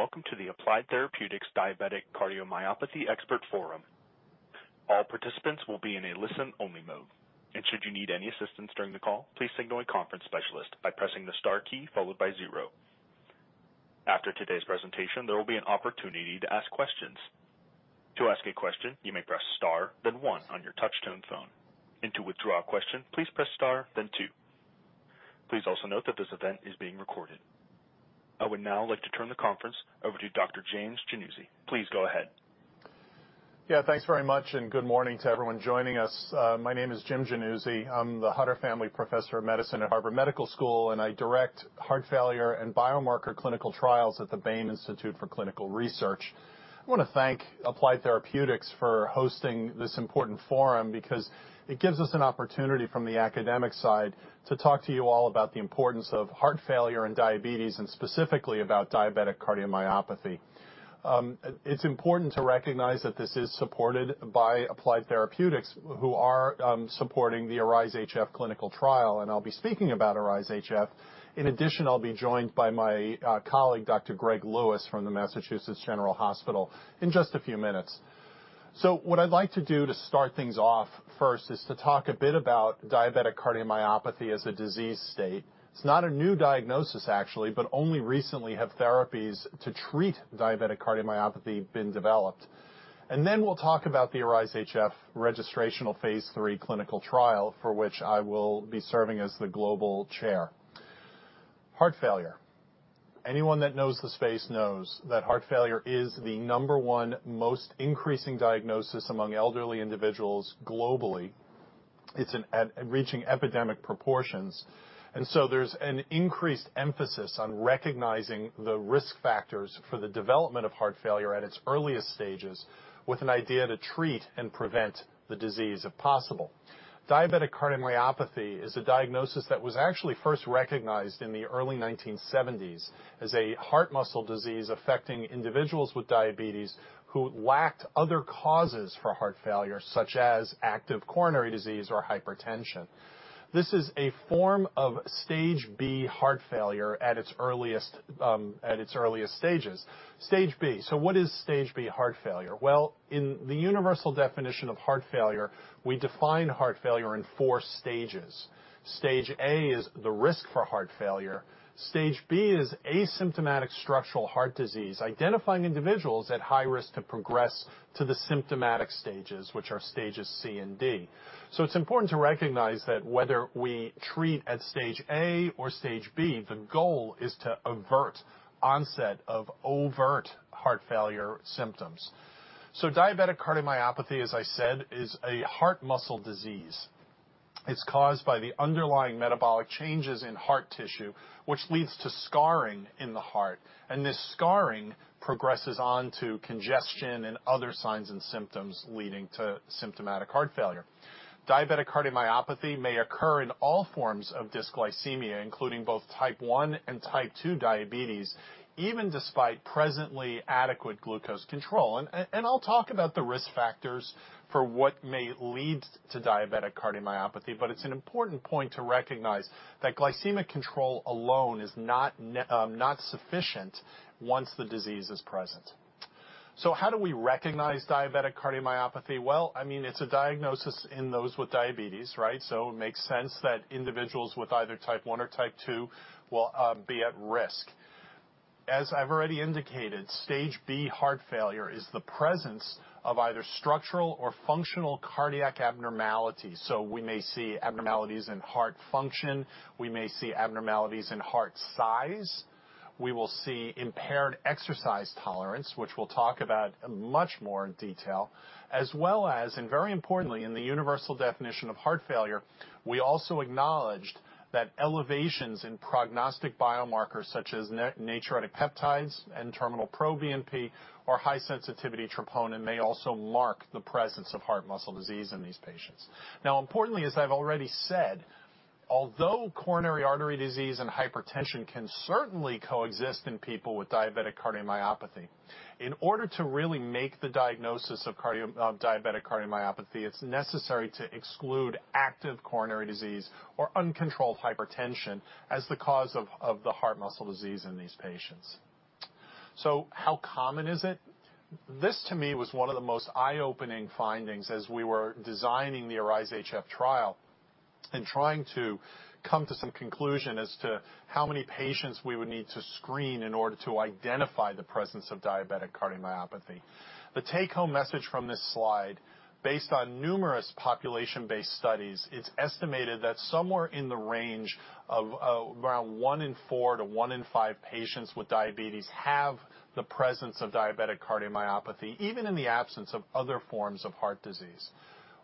Good morning, and welcome to the Applied Therapeutics Diabetic Cardiomyopathy Expert Forum. All participants will be in a listen-only mode, and should you need any assistance during the call, please signal a conference specialist by pressing the star key followed by zero. After today's presentation, there will be an opportunity to ask questions. To ask a question, you may press star, then one on your touch-tone phone, and to withdraw a question, please press star then two. Please also note that this event is being recorded. I would now like to turn the conference over to Dr. James Januzzi. Please go ahead. Yeah, thanks very much, and good morning to everyone joining us. My name is James Januzzi. I'm the Hutter Family Professor of Medicine at Harvard Medical School, and I direct heart failure and biomarker clinical trials at the Baim Institute for Clinical Research. I want to thank Applied Therapeutics for hosting this important forum because it gives us an opportunity from the academic side to talk to you all about the importance of heart failure and diabetes, and specifically about diabetic cardiomyopathy. It's important to recognize that this is supported by Applied Therapeutics, who are supporting the ARISE-HF clinical trial, and I'll be speaking about ARISE-HF. In addition, I'll be joined by my colleague, Dr. Greg Lewis from the Massachusetts General Hospital in just a few minutes. What I'd like to do to start things off first is to talk a bit about diabetic cardiomyopathy as a disease state. It's not a new diagnosis, actually, but only recently have therapies to treat diabetic cardiomyopathy been developed. Then we'll talk about the ARISE-HF registrational phase 3 clinical trial, for which I will be serving as the global chair. Heart failure. Anyone that knows the space knows that heart failure is the number 1 most increasing diagnosis among elderly individuals globally. It's reaching epidemic proportions, and so there's an increased emphasis on recognizing the risk factors for the development of heart failure at its earliest stages, with an idea to treat and prevent the disease, if possible. Diabetic cardiomyopathy is a diagnosis that was actually first recognized in the early 1970s as a heart muscle disease affecting individuals with diabetes who lacked other causes for heart failure, such as active coronary disease or hypertension. This is a form of Stage B heart failure at its earliest stages. Stage B, so what is Stage B heart failure? Well, in the universal definition of heart failure, we define heart failure in four stages. Stage A is the risk for heart failure. Stage B is asymptomatic structural heart disease, identifying individuals at high risk to progress to the symptomatic stages, which are stages C and D. So it's important to recognize that whether we treat at Stage A or Stage B, the goal is to avert onset of overt heart failure symptoms. So diabetic cardiomyopathy, as I said, is a heart muscle disease. It's caused by the underlying metabolic changes in heart tissue, which leads to scarring in the heart, and this scarring progresses on to congestion and other signs and symptoms leading to symptomatic heart failure. Diabetic cardiomyopathy may occur in all forms of dysglycemia, including both Type 1 and Type 2 diabetes, even despite presently adequate glucose control. I'll talk about the risk factors for what may lead to diabetic cardiomyopathy, but it's an important point to recognize that glycemic control alone is not sufficient once the disease is present. So how do we recognize diabetic cardiomyopathy? Well, I mean, it's a diagnosis in those with diabetes, right? So it makes sense that individuals with either Type I or Type II will be at risk. As I've already indicated, Stage B heart failure is the presence of either structural or functional cardiac abnormalities. So we may see abnormalities in heart function. We may see abnormalities in heart size. We will see impaired exercise tolerance, which we'll talk about in much more detail, as well as, and very importantly, in the universal definition of heart failure, we also acknowledged that elevations in prognostic biomarkers, such as natriuretic peptides and NT-proBNP or high-sensitivity troponin, may also mark the presence of heart muscle disease in these patients. Now, importantly, as I've already said, although coronary artery disease and hypertension can certainly coexist in people with diabetic cardiomyopathy, in order to really make the diagnosis of diabetic cardiomyopathy, it's necessary to exclude active coronary disease or uncontrolled hypertension as the cause of the heart muscle disease in these patients. So how common is it? This, to me, was one of the most eye-opening findings as we were designing the ARISE-HF trial and trying to come to some conclusion as to how many patients we would need to screen in order to identify the presence of diabetic cardiomyopathy. The take-home message from this slide, based on numerous population-based studies, it's estimated that somewhere in the range of, around 1 in 4 to 1 in 5 patients with diabetes have the presence of diabetic cardiomyopathy, even in the absence of other forms of heart disease.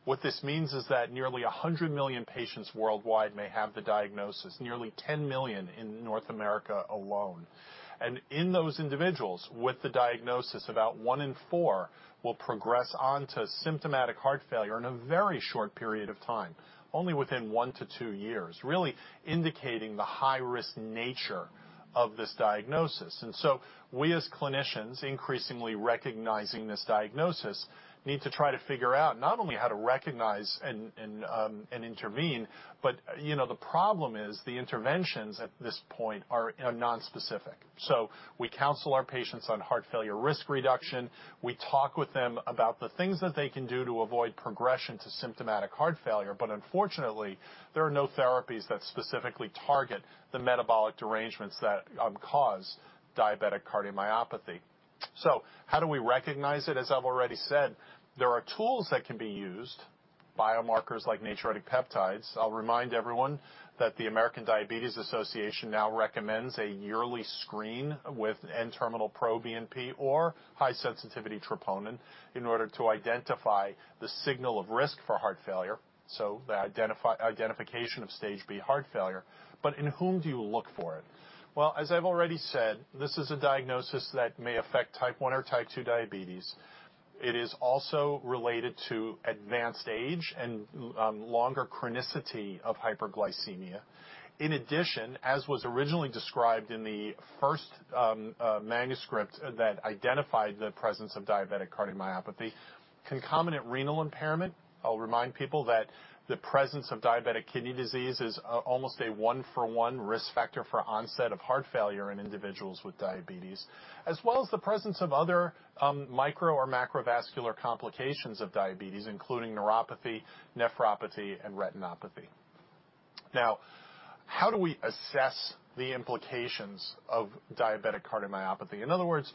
What this means is that nearly 100 million patients worldwide may have the diagnosis, nearly 10 million in North America alone. In those individuals with the diagnosis, about 1 in 4 will progress on to symptomatic heart failure in a very short period of time, only within 1 to 2 years, really indicating the high-risk nature of this diagnosis. So we, as clinicians, increasingly recognizing this diagnosis, need to try to figure out not only how to recognize and intervene, but, you know, the problem is the interventions at this point are nonspecific. We counsel our patients on heart failure risk reduction. We talk with them about the things that they can do to avoid progression to symptomatic heart failure. But unfortunately, there are no therapies that specifically target the metabolic derangements that cause diabetic cardiomyopathy. So how do we recognize it? As I've already said, there are tools that can be used... biomarkers like natriuretic peptides. I'll remind everyone that the American Diabetes Association now recommends a yearly screen with N-terminal pro-BNP or high-sensitivity troponin in order to identify the signal of risk for heart failure, so the identification of Stage B heart failure. But in whom do you look for it? Well, as I've already said, this is a diagnosis that may affect Type 1 or Type 2 diabetes. It is also related to advanced age and longer chronicity of hyperglycemia. In addition, as was originally described in the first manuscript that identified the presence of diabetic cardiomyopathy, concomitant renal impairment. I'll remind people that the presence of diabetic kidney disease is almost a one-for-one risk factor for onset of heart failure in individuals with diabetes, as well as the presence of other micro or macrovascular complications of diabetes, including neuropathy, nephropathy, and retinopathy. Now, how do we assess the implications of diabetic cardiomyopathy? In other words,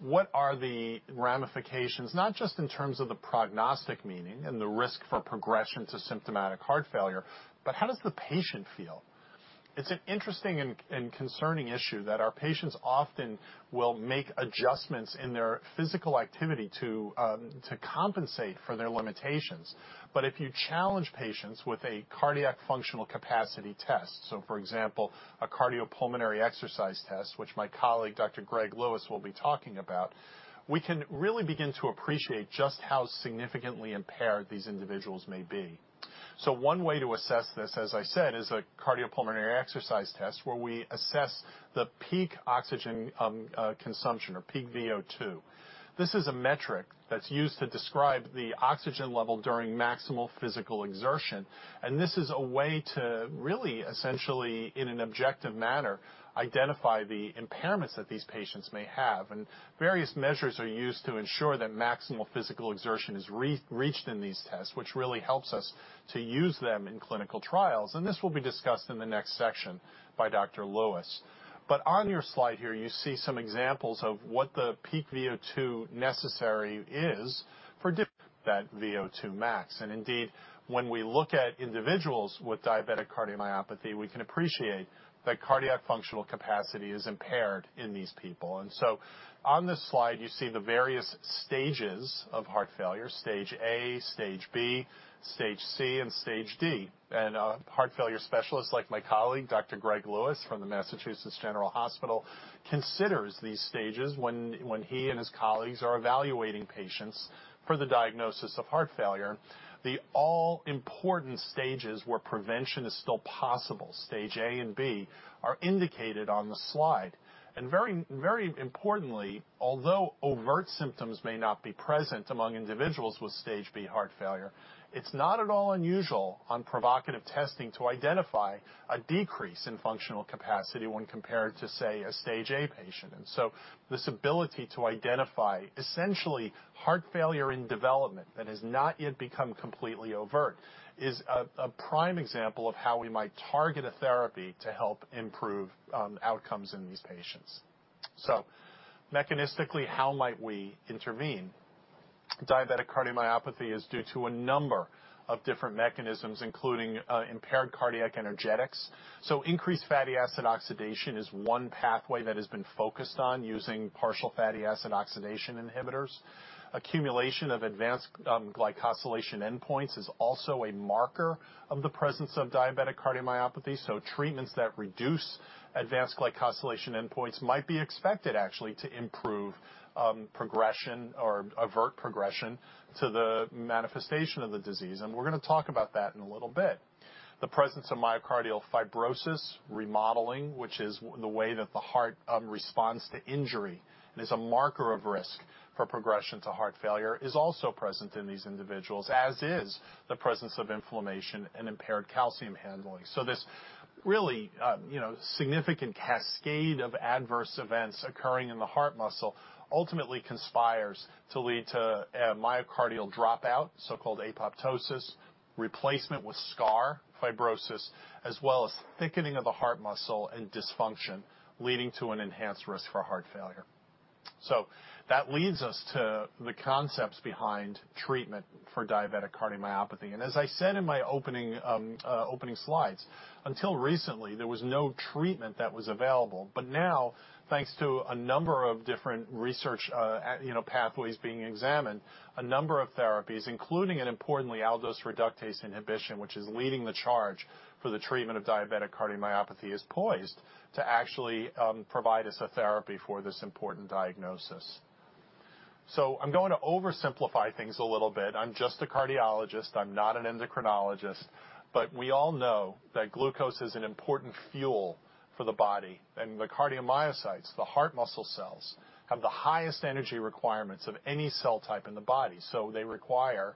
what are the ramifications, not just in terms of the prognostic meaning and the risk for progression to symptomatic heart failure, but how does the patient feel? It's an interesting and concerning issue that our patients often will make adjustments in their physical activity to compensate for their limitations. But if you challenge patients with a cardiac functional capacity test, so for example, a cardiopulmonary exercise test, which my colleague, Dr. Greg Lewis, will be talking about, we can really begin to appreciate just how significantly impaired these individuals may be. So one way to assess this, as I said, is a cardiopulmonary exercise test, where we assess the peak oxygen consumption or peak VO2. This is a metric that's used to describe the oxygen level during maximal physical exertion, and this is a way to really, essentially, in an objective manner, identify the impairments that these patients may have. Various measures are used to ensure that maximal physical exertion is reached in these tests, which really helps us to use them in clinical trials, and this will be discussed in the next section by Dr. Lewis. But on your slide here, you see some examples of what the peak VO2 necessary is for that VO2 max. Indeed, when we look at individuals with diabetic cardiomyopathy, we can appreciate that cardiac functional capacity is impaired in these people. So on this slide, you see the various stages of heart failure, Stage A, Stage B, Stage C, and Stage D. A heart failure specialist, like my colleague, Dr. Greg Lewis from the Massachusetts General Hospital considers these stages when he and his colleagues are evaluating patients for the diagnosis of heart failure. The all-important stages where prevention is still possible, Stage A and B, are indicated on the slide. Very, very importantly, although overt symptoms may not be present among individuals with Stage B heart failure, it's not at all unusual on provocative testing to identify a decrease in functional capacity when compared to, say, a Stage A patient. So this ability to identify essentially heart failure in development that has not yet become completely overt is a prime example of how we might target a therapy to help improve outcomes in these patients. Mechanistically, how might we intervene? Diabetic cardiomyopathy is due to a number of different mechanisms, including impaired cardiac energetics. So increased fatty acid oxidation is one pathway that has been focused on using partial fatty acid oxidation inhibitors. Accumulation of advanced glycosylation endpoints is also a marker of the presence of diabetic cardiomyopathy, so treatments that reduce advanced glycosylation endpoints might be expected actually to improve progression or avert progression to the manifestation of the disease, and we're going to talk about that in a little bit. The presence of myocardial fibrosis, remodeling, which is the way that the heart responds to injury, and is a marker of risk for progression to heart failure, is also present in these individuals, as is the presence of inflammation and impaired calcium handling. So this really, you know, significant cascade of adverse events occurring in the heart muscle ultimately conspires to lead to a myocardial dropout, so-called apoptosis, replacement with scar, fibrosis, as well as thickening of the heart muscle and dysfunction, leading to an enhanced risk for heart failure. So that leads us to the concepts behind treatment for diabetic cardiomyopathy. And as I said in my opening slides, until recently, there was no treatment that was available. But now, thanks to a number of different research, you know, pathways being examined, a number of therapies, including, and importantly, aldose reductase inhibition, which is leading the charge for the treatment of diabetic cardiomyopathy, is poised to actually provide us a therapy for this important diagnosis. So I'm going to oversimplify things a little bit. I'm just a cardiologist. I'm not an endocrinologist. But we all know that glucose is an important fuel for the body, and the cardiomyocytes, the heart muscle cells, have the highest energy requirements of any cell type in the body, so they require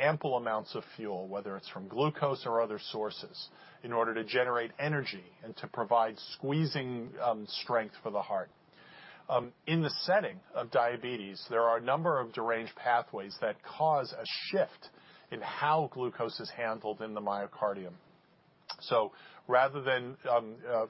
ample amounts of fuel, whether it's from glucose or other sources, in order to generate energy and to provide squeezing strength for the heart. In the setting of diabetes, there are a number of deranged pathways that cause a shift in how glucose is handled in the myocardium.... So rather than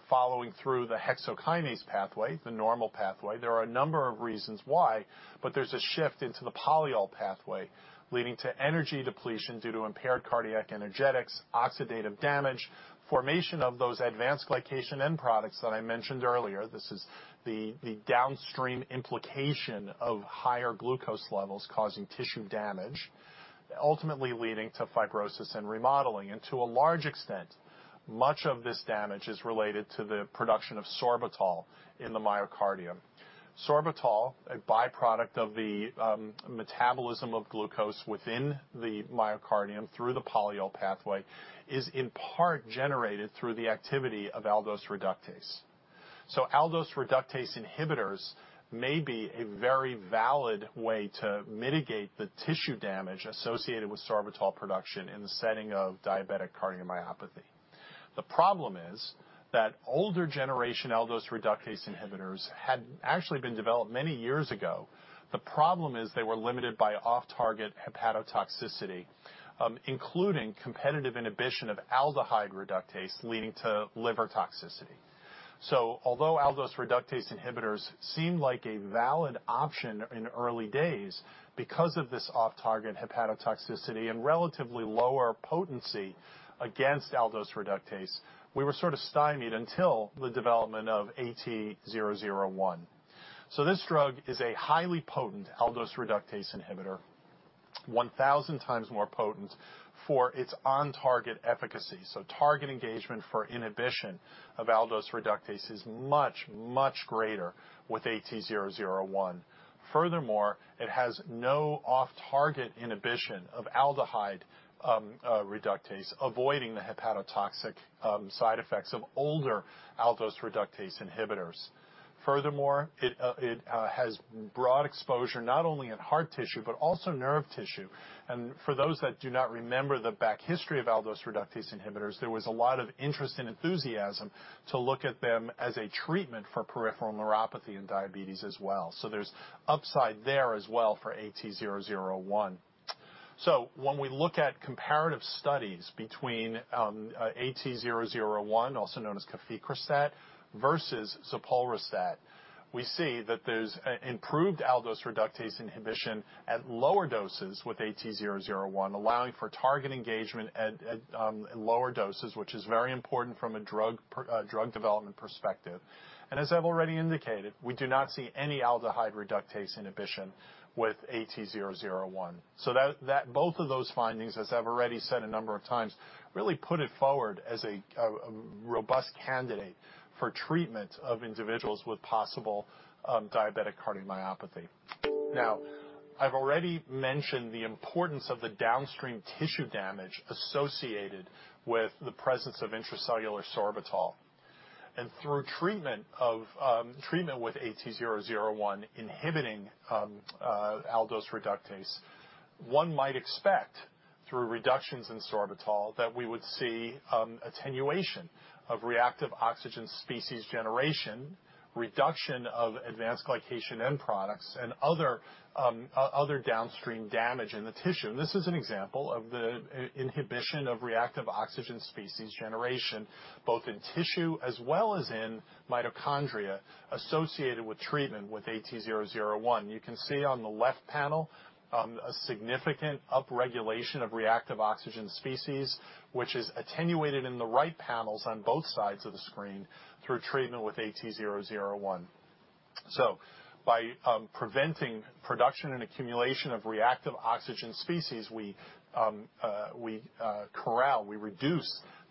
following through the hexokinase pathway, the normal pathway, there are a number of reasons why, but there's a shift into the polyol pathway, leading to energy depletion due to impaired cardiac energetics, oxidative damage, formation of those advanced glycation end products that I mentioned earlier. This is the downstream implication of higher glucose levels causing tissue damage, ultimately leading to fibrosis and remodeling. To a large extent, much of this damage is related to the production of sorbitol in the myocardium. Sorbitol, a byproduct of the metabolism of glucose within the myocardium through the polyol pathway, is in part generated through the activity of aldose reductase. So aldose reductase inhibitors may be a very valid way to mitigate the tissue damage associated with sorbitol production in the setting of diabetic cardiomyopathy. The problem is that older generation aldose reductase inhibitors had actually been developed many years ago. The problem is they were limited by off-target hepatotoxicity, including competitive inhibition of aldehyde reductase leading to liver toxicity. So although aldose reductase inhibitors seemed like a valid option in early days, because of this off-target hepatotoxicity and relatively lower potency against aldose reductase, we were sort of stymied until the development of AT-001. So this drug is a highly potent aldose reductase inhibitor, 1,000 times more potent for its on-target efficacy. So target engagement for inhibition of aldose reductase is much, much greater with AT-001. Furthermore, it has no off-target inhibition of aldehyde reductase, avoiding the hepatotoxic side effects of older aldose reductase inhibitors. Furthermore, it has broad exposure, not only in heart tissue, but also nerve tissue. And for those that do not remember the back history of aldose reductase inhibitors, there was a lot of interest and enthusiasm to look at them as a treatment for peripheral neuropathy and diabetes as well. So there's upside there as well for AT-001. So when we look at comparative studies between AT-001, also known as caficrestat, versus zopolrestat, we see that there's a improved aldose reductase inhibition at lower doses with AT-001, allowing for target engagement at lower doses, which is very important from a drug development perspective. And as I've already indicated, we do not see any aldehyde reductase inhibition with AT-001. So that both of those findings, as I've already said a number of times, really put it forward as a robust candidate for treatment of individuals with possible diabetic cardiomyopathy. Now, I've already mentioned the importance of the downstream tissue damage associated with the presence of intracellular sorbitol. Through treatment with AT-001 inhibiting aldose reductase, one might expect, through reductions in sorbitol, that we would see attenuation of reactive oxygen species generation, reduction of advanced glycation end products, and other downstream damage in the tissue. This is an example of the inhibition of reactive oxygen species generation, both in tissue as well as in mitochondria associated with treatment with AT-001. You can see on the left panel a significant upregulation of reactive oxygen species, which is attenuated in the right panels on both sides of the screen through treatment with AT-001. So by preventing production and accumulation of reactive oxygen species, we control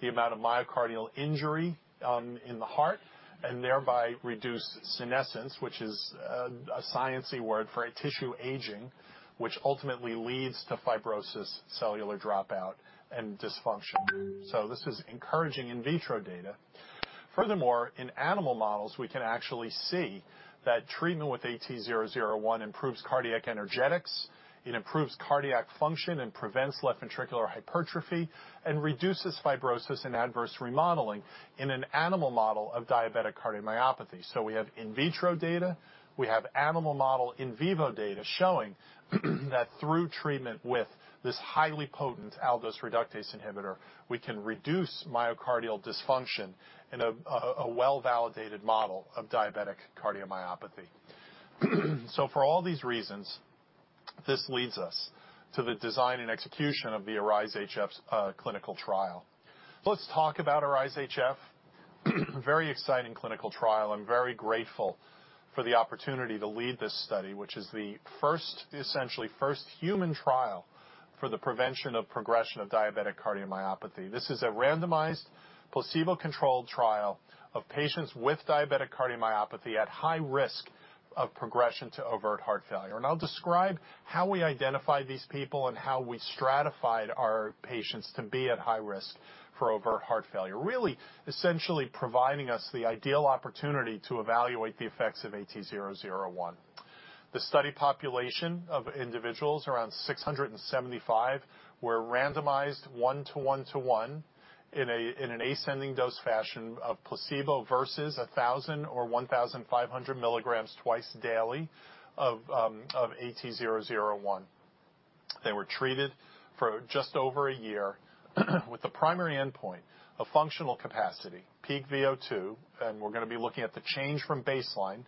the amount of myocardial injury in the heart and thereby reduce senescence, which is a sciencey word for tissue aging, which ultimately leads to fibrosis, cellular dropout, and dysfunction. So this is encouraging in vitro data. Furthermore, in animal models, we can actually see that treatment with AT-001 improves cardiac energetics, it improves cardiac function, and prevents left ventricular hypertrophy, and reduces fibrosis and adverse remodeling in an animal model of diabetic cardiomyopathy. So we have in vitro data, we have animal model in vivo data showing that through treatment with this highly potent aldose reductase inhibitor, we can reduce myocardial dysfunction in a well-validated model of diabetic cardiomyopathy. So for all these reasons, this leads us to the design and execution of the ARISE-HF, clinical trial. Let's talk about ARISE-HF. Very exciting clinical trial. I'm very grateful for the opportunity to lead this study, which is the first, essentially first human trial for the prevention of progression of diabetic cardiomyopathy. This is a randomized, placebo-controlled trial of patients with diabetic cardiomyopathy at high risk of progression to overt heart failure. And I'll describe how we identify these people and how we stratified our patients to be at high risk for overt heart failure, really essentially providing us the ideal opportunity to evaluate the effects of AT-001. The study population of individuals, around 675, were randomized 1:1:1 in an ascending dose fashion of placebo versus 1,000 or 1,500 milligrams twice daily of AT-001. They were treated for just over a year, with the primary endpoint of functional capacity, peak VO2, and we're gonna be looking at the change from baseline.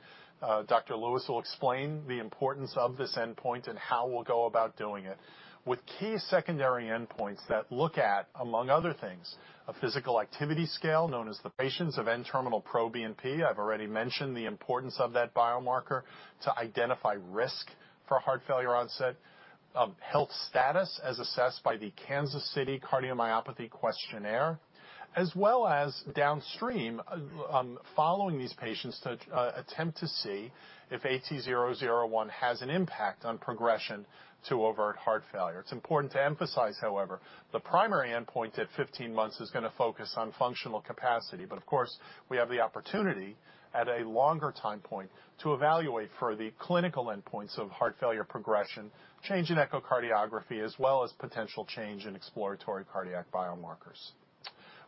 Dr. Lewis will explain the importance of this endpoint and how we'll go about doing it. With key secondary endpoints that look at, among other things, a physical activity scale known as the PACE, NT-proBNP. I've already mentioned the importance of that biomarker to identify risk for heart failure onset, health status as assessed by the Kansas City Cardiomyopathy Questionnaire, as well as downstream, following these patients to attempt to see if AT-001 has an impact on progression to overt heart failure. It's important to emphasize, however, the primary endpoint at 15 months is gonna focus on functional capacity, but of course, we have the opportunity at a longer time point to evaluate for the clinical endpoints of heart failure progression, change in echocardiography, as well as potential change in exploratory cardiac biomarkers.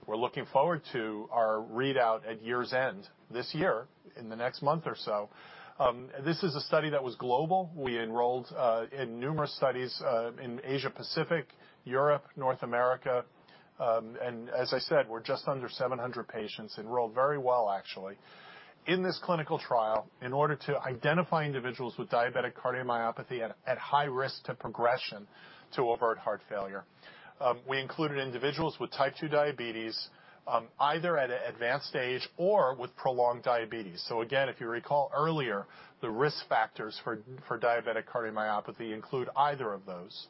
We're looking forward to our readout at year's end this year, in the next month or so. This is a study that was global. We enrolled in numerous studies in Asia Pacific, Europe, North America. And as I said, we're just under 700 patients, enrolled very well, actually, in this clinical trial, in order to identify individuals with diabetic cardiomyopathy at, at high risk to progression to overt heart failure. We included individuals with type 2 diabetes, either at an advanced age or with prolonged diabetes. So again, if you recall earlier, the risk factors for diabetic cardiomyopathy include either of those.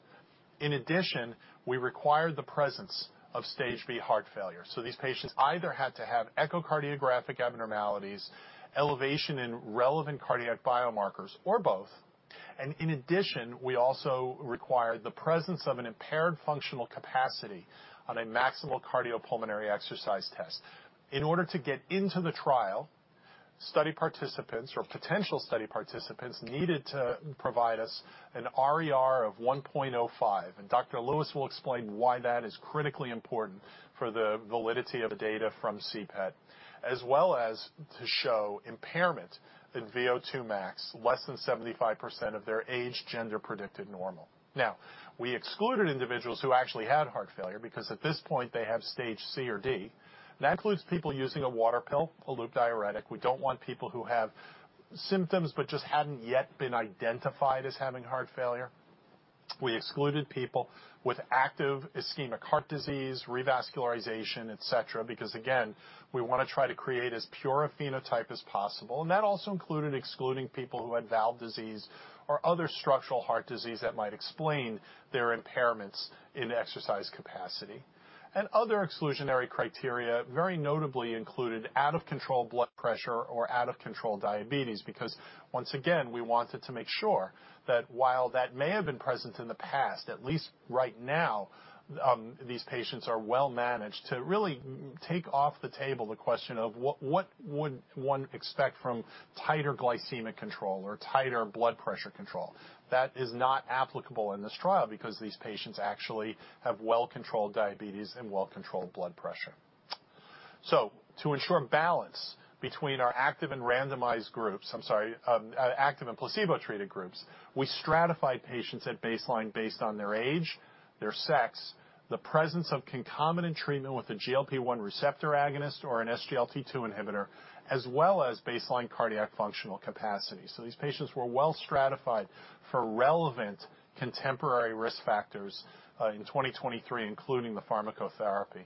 In addition, we required the presence of Stage B heart failure. So these patients either had to have echocardiographic abnormalities, elevation in relevant cardiac biomarkers, or both. And in addition, we also required the presence of an impaired functional capacity on a maximal cardiopulmonary exercise test. In order to get into the trial, study participants or potential study participants needed to provide us an RER of 1.05, and Dr. Lewis will explain why that is critically important for the validity of the data from CPET, as well as to show impairment in VO2 max, less than 75% of their age, gender-predicted normal. Now, we excluded individuals who actually had heart failure because at this point, they have Stage C or D. That includes people using a water pill, a loop diuretic. We don't want people who have symptoms but just hadn't yet been identified as having heart failure. We excluded people with active ischemic heart disease, revascularization, et cetera, because, again, we wanna try to create as pure a phenotype as possible. And that also included excluding people who had valve disease or other structural heart disease that might explain their impairments in exercise capacity. And other exclusionary criteria, very notably, included out-of-control blood pressure or out-of-control diabetes, because once again, we wanted to make sure that while that may have been present in the past, at least right now, these patients are well managed to really take off the table the question of what, what would one expect from tighter glycemic control or tighter blood pressure control? That is not applicable in this trial because these patients actually have well-controlled diabetes and well-controlled blood pressure. So to ensure balance between our active and randomized groups... I'm sorry, active and placebo-treated groups, we stratify patients at baseline based on their age, their sex, the presence of concomitant treatment with a GLP-1 receptor agonist or an SGLT2 inhibitor, as well as baseline cardiac functional capacity. So these patients were well stratified for relevant contemporary risk factors in 2023, including the pharmacotherapy.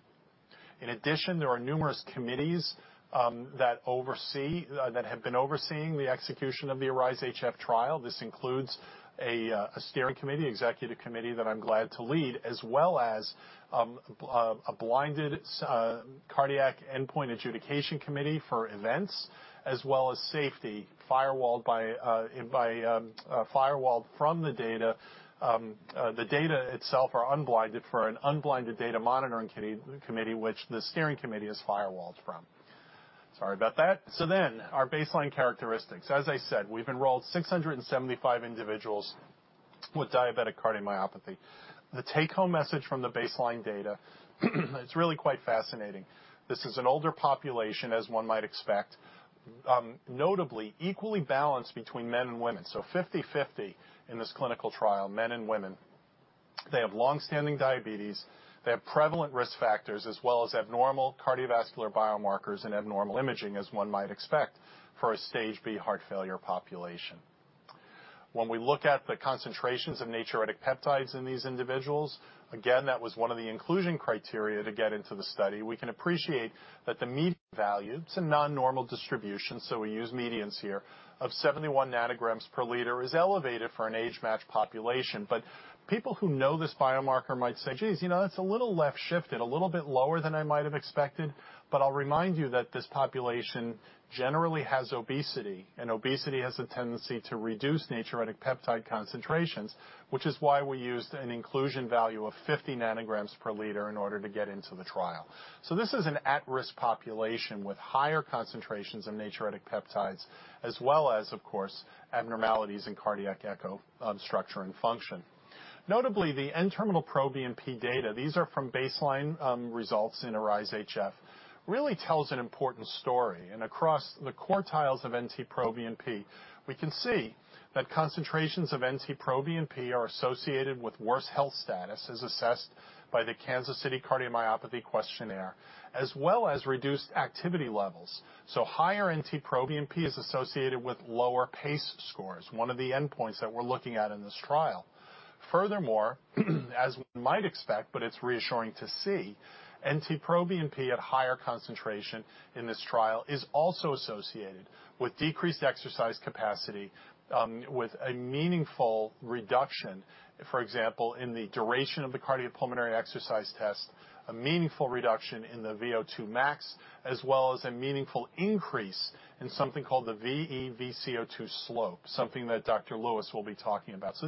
In addition, there are numerous committees that oversee that have been overseeing the execution of the ARISE-HF trial. This includes a steering committee, executive committee that I'm glad to lead, as well as a blinded cardiac endpoint adjudication committee for events, as well as safety, firewalled by firewall from the data. The data itself are unblinded for an unblinded data monitoring committee, which the steering committee is firewalled from. Sorry about that. So then, our baseline characteristics. As I said, we've enrolled 675 individuals with diabetic cardiomyopathy. The take-home message from the baseline data, it's really quite fascinating. This is an older population, as one might expect, notably equally balanced between men and women. So 50/50 in this clinical trial, men and women. They have long-standing diabetes. They have prevalent risk factors, as well as abnormal cardiovascular biomarkers and abnormal imaging, as one might expect for a Stage B heart failure population. When we look at the concentrations of natriuretic peptides in these individuals, again, that was one of the inclusion criteria to get into the study. We can appreciate that the mean value, it's a non-normal distribution, so we use medians here, of 71 nanograms per liter is elevated for an age-matched population. But people who know this biomarker might say, "Geez, you know, that's a little left-shifted, a little bit lower than I might have expected." But I'll remind you that this population generally has obesity, and obesity has a tendency to reduce natriuretic peptide concentrations, which is why we used an inclusion value of 50 nanograms per liter in order to get into the trial. So this is an at-risk population with higher concentrations of natriuretic peptides, as well as, of course, abnormalities in cardiac echo, structure and function. Notably, the N-terminal pro-BNP data, these are from baseline, results in ARISE-HF, really tells an important story, and across the quartiles of NT-proBNP.... We can see that concentrations of NT-proBNP are associated with worse health status, as assessed by the Kansas City Cardiomyopathy Questionnaire, as well as reduced activity levels. So higher NT-proBNP is associated with lower PACE scores, one of the endpoints that we're looking at in this trial. Furthermore, as we might expect, but it's reassuring to see, NT-proBNP at higher concentration in this trial is also associated with decreased exercise capacity, with a meaningful reduction, for example, in the duration of the cardiopulmonary exercise test, a meaningful reduction in the VO2 max, as well as a meaningful increase in something called the VE/VCO2 slope, something that Dr. Lewis will be talking about. So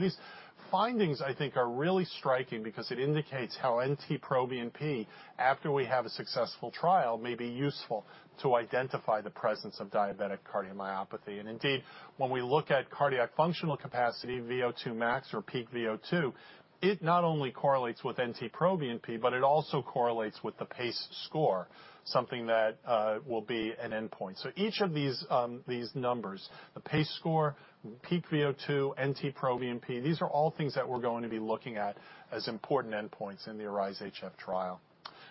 these findings, I think, are really striking because it indicates how NT-proBNP, after we have a successful trial, may be useful to identify the presence of diabetic cardiomyopathy. And indeed, when we look at cardiac functional capacity, VO2 max or peak VO2, it not only correlates with NT-proBNP, but it also correlates with the PACE score, something that will be an endpoint. So each of these, these numbers, the PACE score, peak VO2, NT-proBNP, these are all things that we're going to be looking at as important endpoints in the ARISE-HF trial.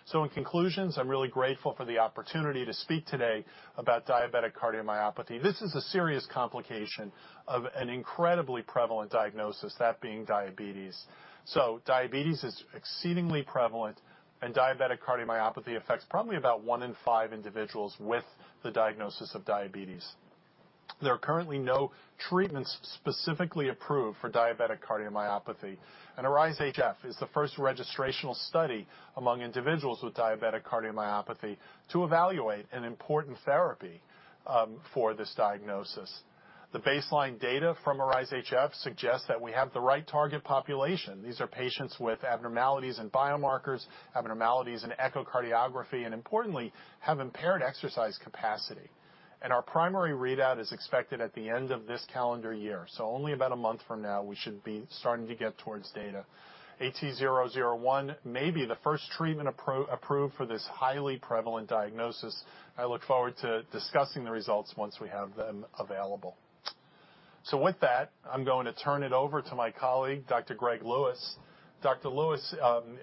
So in conclusion, I'm really grateful for the opportunity to speak today about diabetic cardiomyopathy. This is a serious complication of an incredibly prevalent diagnosis, that being diabetes. So diabetes is exceedingly prevalent, and diabetic cardiomyopathy affects probably about one in five individuals with the diagnosis of diabetes. There are currently no treatments specifically approved for diabetic cardiomyopathy, and ARISE-HF is the first registrational study among individuals with diabetic cardiomyopathy to evaluate an important therapy, for this diagnosis. The baseline data from ARISE-HF suggests that we have the right target population. These are patients with abnormalities in biomarkers, abnormalities in echocardiography, and importantly, have impaired exercise capacity. Our primary readout is expected at the end of this calendar year. Only about a month from now, we should be starting to get towards data. AT-001 may be the first treatment approved for this highly prevalent diagnosis. I look forward to discussing the results once we have them available. With that, I'm going to turn it over to my colleague, Dr. Greg Lewis. Dr. Lewis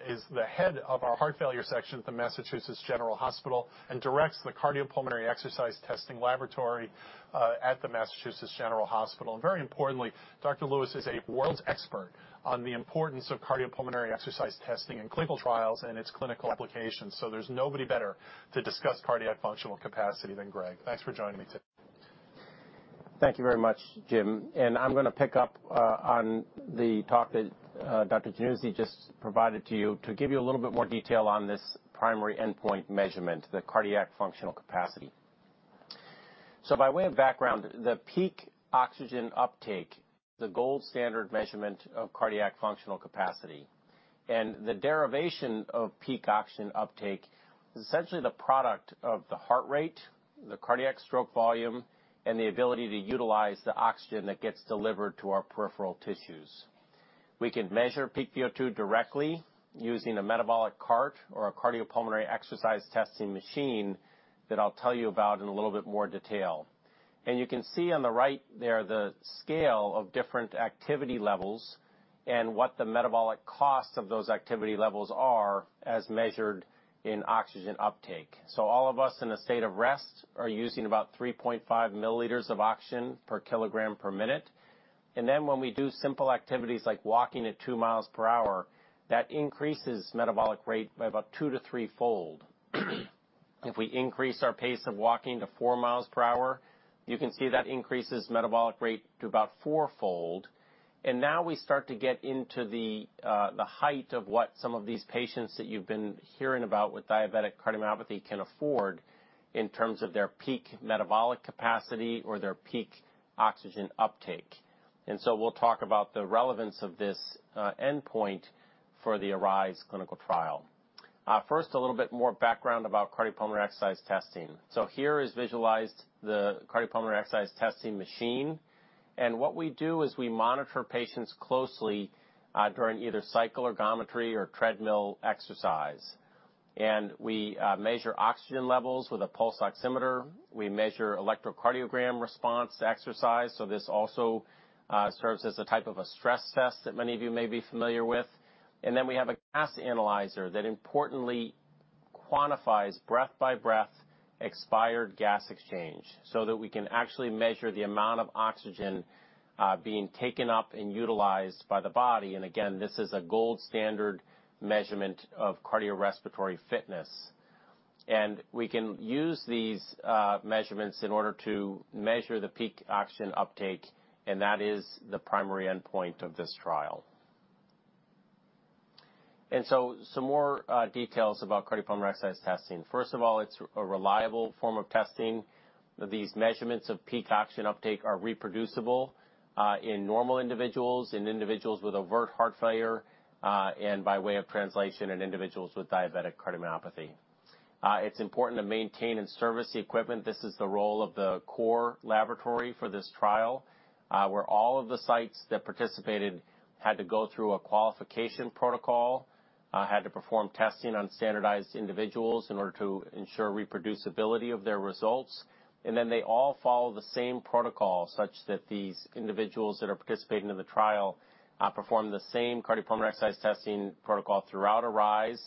is the head of our heart failure section at the Massachusetts General Hospital and directs the Cardiopulmonary Exercise Testing Laboratory at the Massachusetts General Hospital. Very importantly, Dr. Lewis is a world expert on the importance of cardiopulmonary exercise testing in clinical trials and its clinical applications. There's nobody better to discuss cardiac functional capacity than Greg. Thanks for joining me today. Thank you very much, Jim, and I'm gonna pick up on the talk that Dr. Januzzi just provided to you to give you a little bit more detail on this primary endpoint measurement, the cardiac functional capacity. So by way of background, the peak oxygen uptake, the gold standard measurement of cardiac functional capacity, and the derivation of peak oxygen uptake is essentially the product of the heart rate, the cardiac stroke volume, and the ability to utilize the oxygen that gets delivered to our peripheral tissues. We can measure peak VO2 directly using a metabolic cart or a cardiopulmonary exercise testing machine that I'll tell you about in a little bit more detail. And you can see on the right there, the scale of different activity levels and what the metabolic costs of those activity levels are, as measured in oxygen uptake. So all of us in a state of rest are using about 3.5 milliliters of oxygen per kilogram per minute. Then when we do simple activities like walking at 2 miles per hour, that increases metabolic rate by about 2- to 3-fold. If we increase our pace of walking to 4 miles per hour, you can see that increases metabolic rate to about 4-fold. Now we start to get into the height of what some of these patients that you've been hearing about with diabetic cardiomyopathy can afford in terms of their peak metabolic capacity or their peak oxygen uptake. So we'll talk about the relevance of this endpoint for the ARISE clinical trial. First, a little bit more background about cardiopulmonary exercise testing. Here is visualized the cardiopulmonary exercise testing machine. What we do is we monitor patients closely during either cycle ergometry or treadmill exercise. We measure oxygen levels with a pulse oximeter. We measure electrocardiogram response to exercise, so this also serves as a type of a stress test that many of you may be familiar with. Then we have a gas analyzer that importantly quantifies breath-by-breath expired gas exchange, so that we can actually measure the amount of oxygen being taken up and utilized by the body. Again, this is a gold standard measurement of cardiorespiratory fitness. We can use these measurements in order to measure the peak oxygen uptake, and that is the primary endpoint of this trial. Some more details about cardiopulmonary exercise testing. First of all, it's a reliable form of testing. These measurements of peak oxygen uptake are reproducible, in normal individuals, in individuals with overt heart failure, and by way of translation, in individuals with diabetic cardiomyopathy. It's important to maintain and service the equipment. This is the role of the core laboratory for this trial, where all of the sites that participated had to go through a qualification protocol, had to perform testing on standardized individuals in order to ensure reproducibility of their results. And then they all follow the same protocol such that these individuals that are participating in the trial, perform the same cardiopulmonary exercise testing protocol throughout ARISE,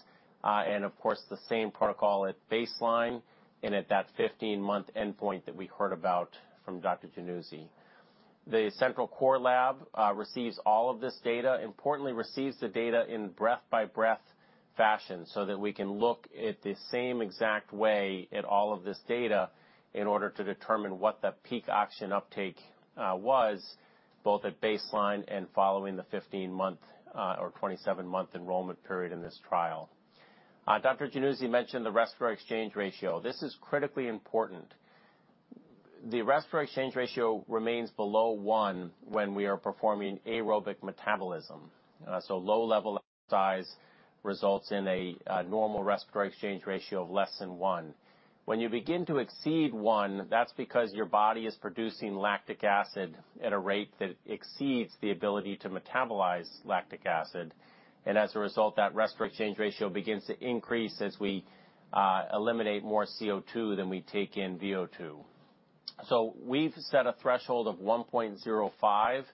and of course, the same protocol at baseline and at that 15-month endpoint that we heard about from Dr. Januzzi. The central core lab receives all of this data, importantly, receives the data in breath-by-breath fashion, so that we can look at the same exact way at all of this data in order to determine what the peak oxygen uptake was, both at baseline and following the 15-month or 27-month enrollment period in this trial. Dr. Januzzi mentioned the respiratory exchange ratio. This is critically important. The respiratory exchange ratio remains below one when we are performing aerobic metabolism. So low level of exercise results in a normal Respiratory Exchange Ratio of less than one. When you begin to exceed one, that's because your body is producing lactic acid at a rate that exceeds the ability to metabolize lactic acid. And as a result, that respiratory exchange ratio begins to increase as we eliminate more CO2 than we take in VO2. We've set a threshold of 1.05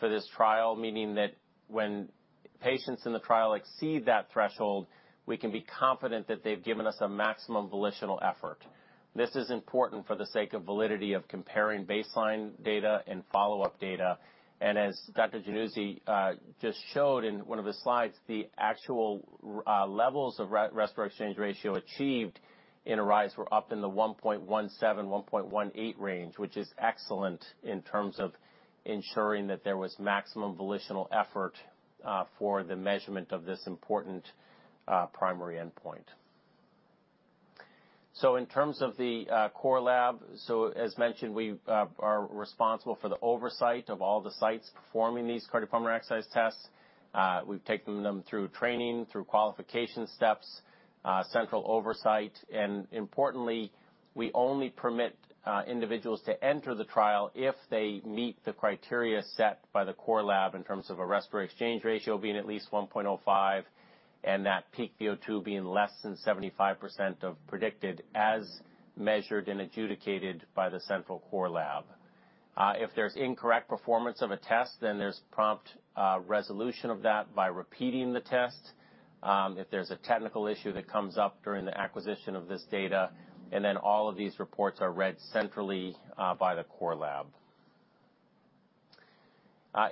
for this trial, meaning that when patients in the trial exceed that threshold, we can be confident that they've given us a maximum volitional effort. This is important for the sake of validity of comparing baseline data and follow-up data. And as Dr. Januzzi just showed in one of his slides, the actual levels of respiratory exchange ratio achieved in ARISE were up in the 1.17-1.18 range, which is excellent in terms of ensuring that there was maximum volitional effort for the measurement of this important primary endpoint. So in terms of the core lab, as mentioned, we are responsible for the oversight of all the sites performing these cardiopulmonary exercise tests. We've taken them through training, through qualification steps, central oversight, and importantly, we only permit individuals to enter the trial if they meet the criteria set by the core lab in terms of a Respiratory Exchange Ratio being at least 1.05, and that Peak VO2 being less than 75% of predicted as measured and adjudicated by the central core lab. If there's incorrect performance of a test, then there's prompt resolution of that by repeating the test, if there's a technical issue that comes up during the acquisition of this data, and then all of these reports are read centrally by the core lab.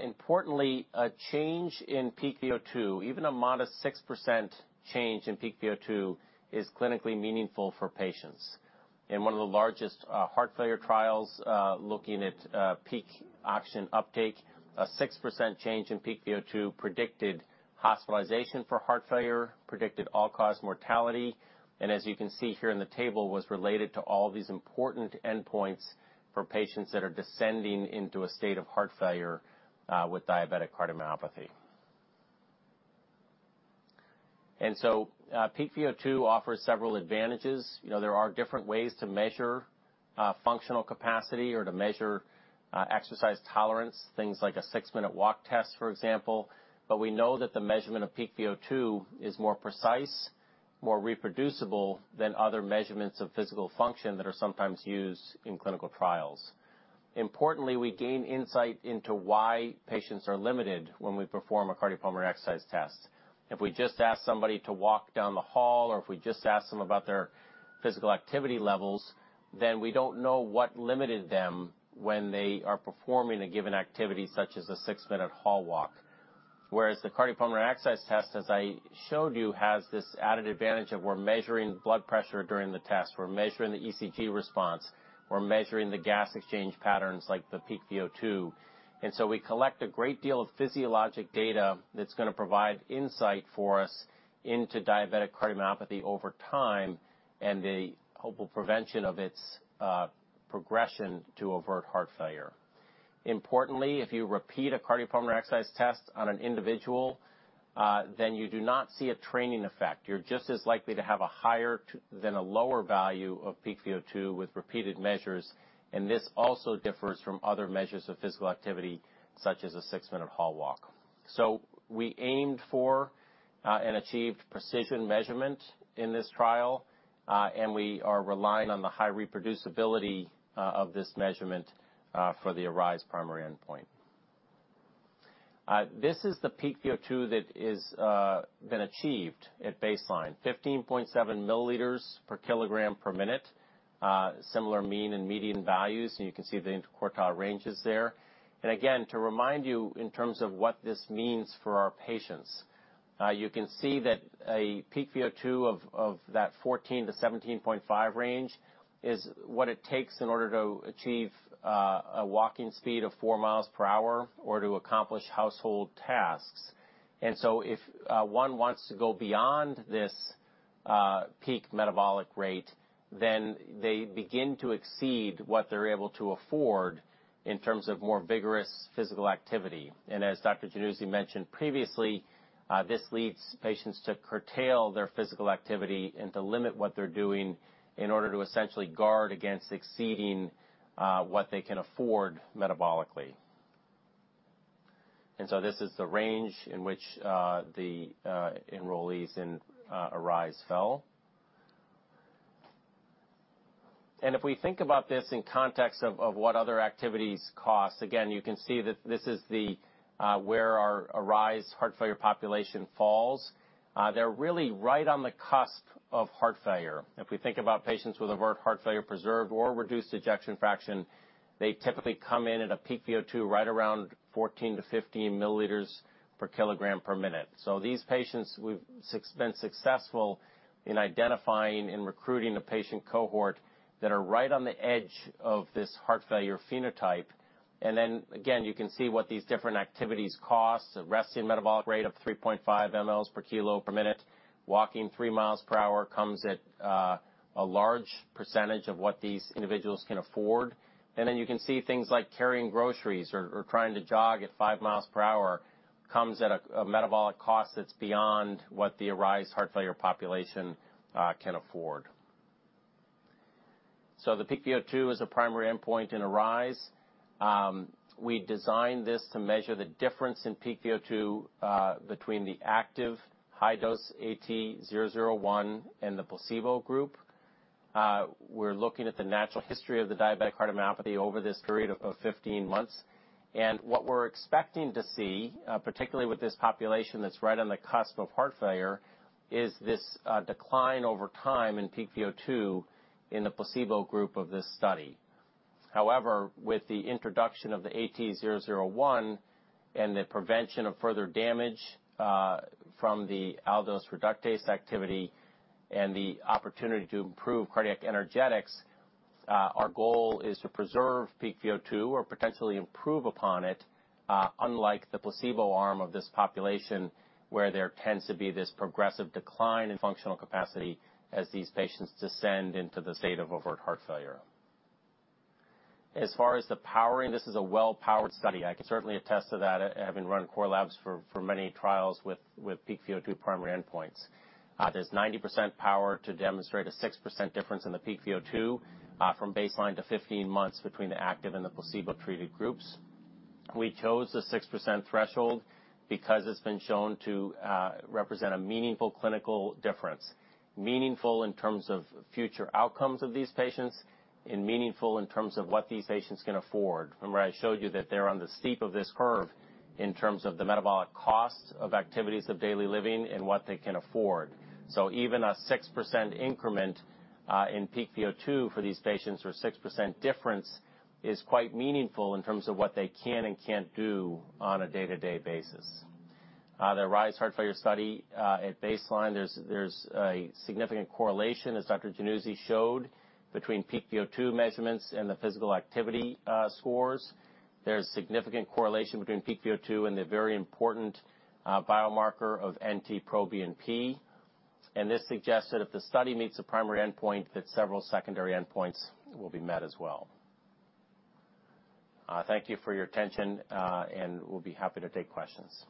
Importantly, a change in peak VO2, even a modest 6% change in peak VO2, is clinically meaningful for patients. In one of the largest heart failure trials looking at peak oxygen uptake, a 6% change in peak VO2 predicted hospitalization for heart failure, predicted all-cause mortality, and as you can see here in the table, was related to all these important endpoints for patients that are descending into a state of heart failure with diabetic cardiomyopathy. So, peak VO2 offers several advantages. You know, there are different ways to measure functional capacity or to measure exercise tolerance, things like a six-minute walk test, for example. But we know that the measurement of peak VO2 is more precise, more reproducible than other measurements of physical function that are sometimes used in clinical trials. Importantly, we gain insight into why patients are limited when we perform a cardiopulmonary exercise test. If we just ask somebody to walk down the hall or if we just ask them about their physical activity levels, then we don't know what limited them when they are performing a given activity, such as a 6-minute hall walk. Whereas the cardiopulmonary exercise test, as I showed you, has this added advantage of we're measuring blood pressure during the test, we're measuring the ECG response, we're measuring the gas exchange patterns like the peak VO2. And so we collect a great deal of physiologic data that's gonna provide insight for us into diabetic cardiomyopathy over time and the hopeful prevention of its progression to overt heart failure. Importantly, if you repeat a cardiopulmonary exercise test on an individual, then you do not see a training effect. You're just as likely to have a higher than a lower value of peak VO2 with repeated measures, and this also differs from other measures of physical activity, such as a six-minute hall walk. So we aimed for, and achieved precision measurement in this trial, and we are relying on the high reproducibility, of this measurement, for the ARISE primary endpoint. This is the peak VO2 that is, been achieved at baseline, 15.7 milliliters per kilogram per minute, similar mean and median values, and you can see the interquartile range is there. And again, to remind you in terms of what this means for our patients, you can see that a peak VO2 of that 14-17.5 range is what it takes in order to achieve a walking speed of 4 miles per hour or to accomplish household tasks. And so if one wants to go beyond this peak metabolic rate, then they begin to exceed what they're able to afford in terms of more vigorous physical activity. And as Dr. Januzzi mentioned previously, this leads patients to curtail their physical activity and to limit what they're doing in order to essentially guard against exceeding what they can afford metabolically. And so this is the range in which the enrollees in ARISE fell. And if we think about this in context of what other activities cost, again, you can see that this is where our ARISE heart failure population falls. They're really right on the cusp of heart failure. If we think about patients with overt heart failure, preserved or reduced ejection fraction, they typically come in at a peak VO2 right around 14-15 milliliters per kilogram per minute. So these patients, we've been successful in identifying and recruiting a patient cohort that are right on the edge of this heart failure phenotype. And then, again, you can see what these different activities cost. A resting metabolic rate of 3.5 mL per kilo per minute. Walking 3 miles per hour comes at a large percentage of what these individuals can afford. Then you can see things like carrying groceries or trying to jog at five miles per hour, comes at a metabolic cost that's beyond what the ARISE-HF population can afford. So the peak VO2 is a primary endpoint in ARISE-HF. We designed this to measure the difference in peak VO2 between the active high-dose AT-001 and the placebo group. We're looking at the natural history of the diabetic cardiomyopathy over this period of 15 months. And what we're expecting to see, particularly with this population that's right on the cusp of heart failure, is this decline over time in peak VO2 in the placebo group of this study. However, with the introduction of the AT-001 and the prevention of further damage, from the aldose reductase activity and the opportunity to improve cardiac energetics, our goal is to preserve peak VO2 or potentially improve upon it, unlike the placebo arm of this population, where there tends to be this progressive decline in functional capacity as these patients descend into the state of overt heart failure. As far as the powering, this is a well-powered study. I can certainly attest to that, having run core labs for many trials with peak VO2 primary endpoints. There's 90% power to demonstrate a 6% difference in the peak VO2, from baseline to 15 months between the active and the placebo-treated groups. We chose the 6% threshold because it's been shown to represent a meaningful clinical difference. Meaningful in terms of future outcomes of these patients, and meaningful in terms of what these patients can afford. Remember, I showed you that they're on the steep of this curve in terms of the metabolic costs of activities of daily living and what they can afford. So even a 6% increment in Peak VO2 for these patients, or 6% difference, is quite meaningful in terms of what they can and can't do on a day-to-day basis. The ARISE-HF study, at baseline, there's a significant correlation, as Dr. Januzzi showed, between Peak VO2 measurements and the physical activity scores. There's significant correlation between peak VO2 and the very important biomarker of NT-proBNP, and this suggests that if the study meets the primary endpoint, that several secondary endpoints will be met as well. Thank you for your attention, and we'll be happy to take questions. ...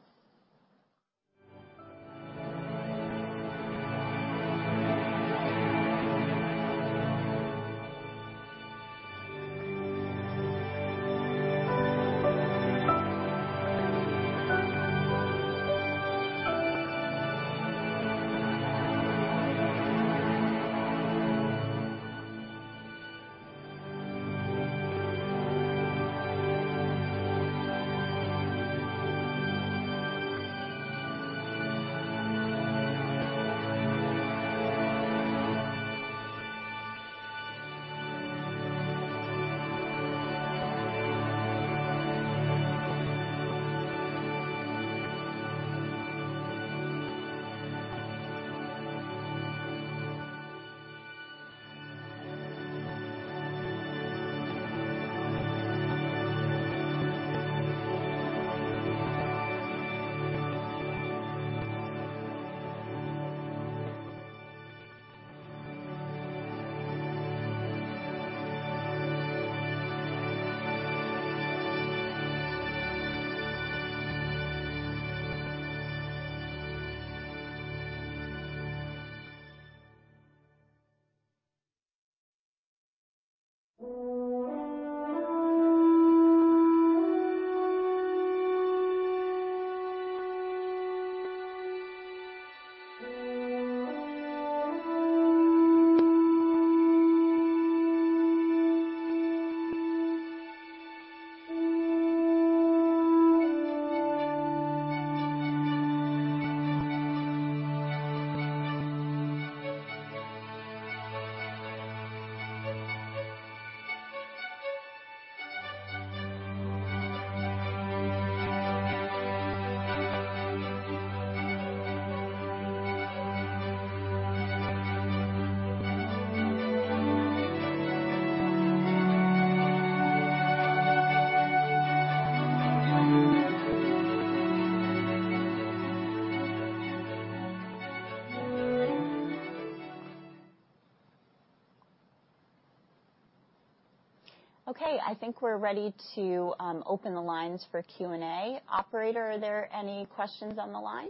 Okay, I think we're ready to open the lines for Q&A. Operator, are there any questions on the line?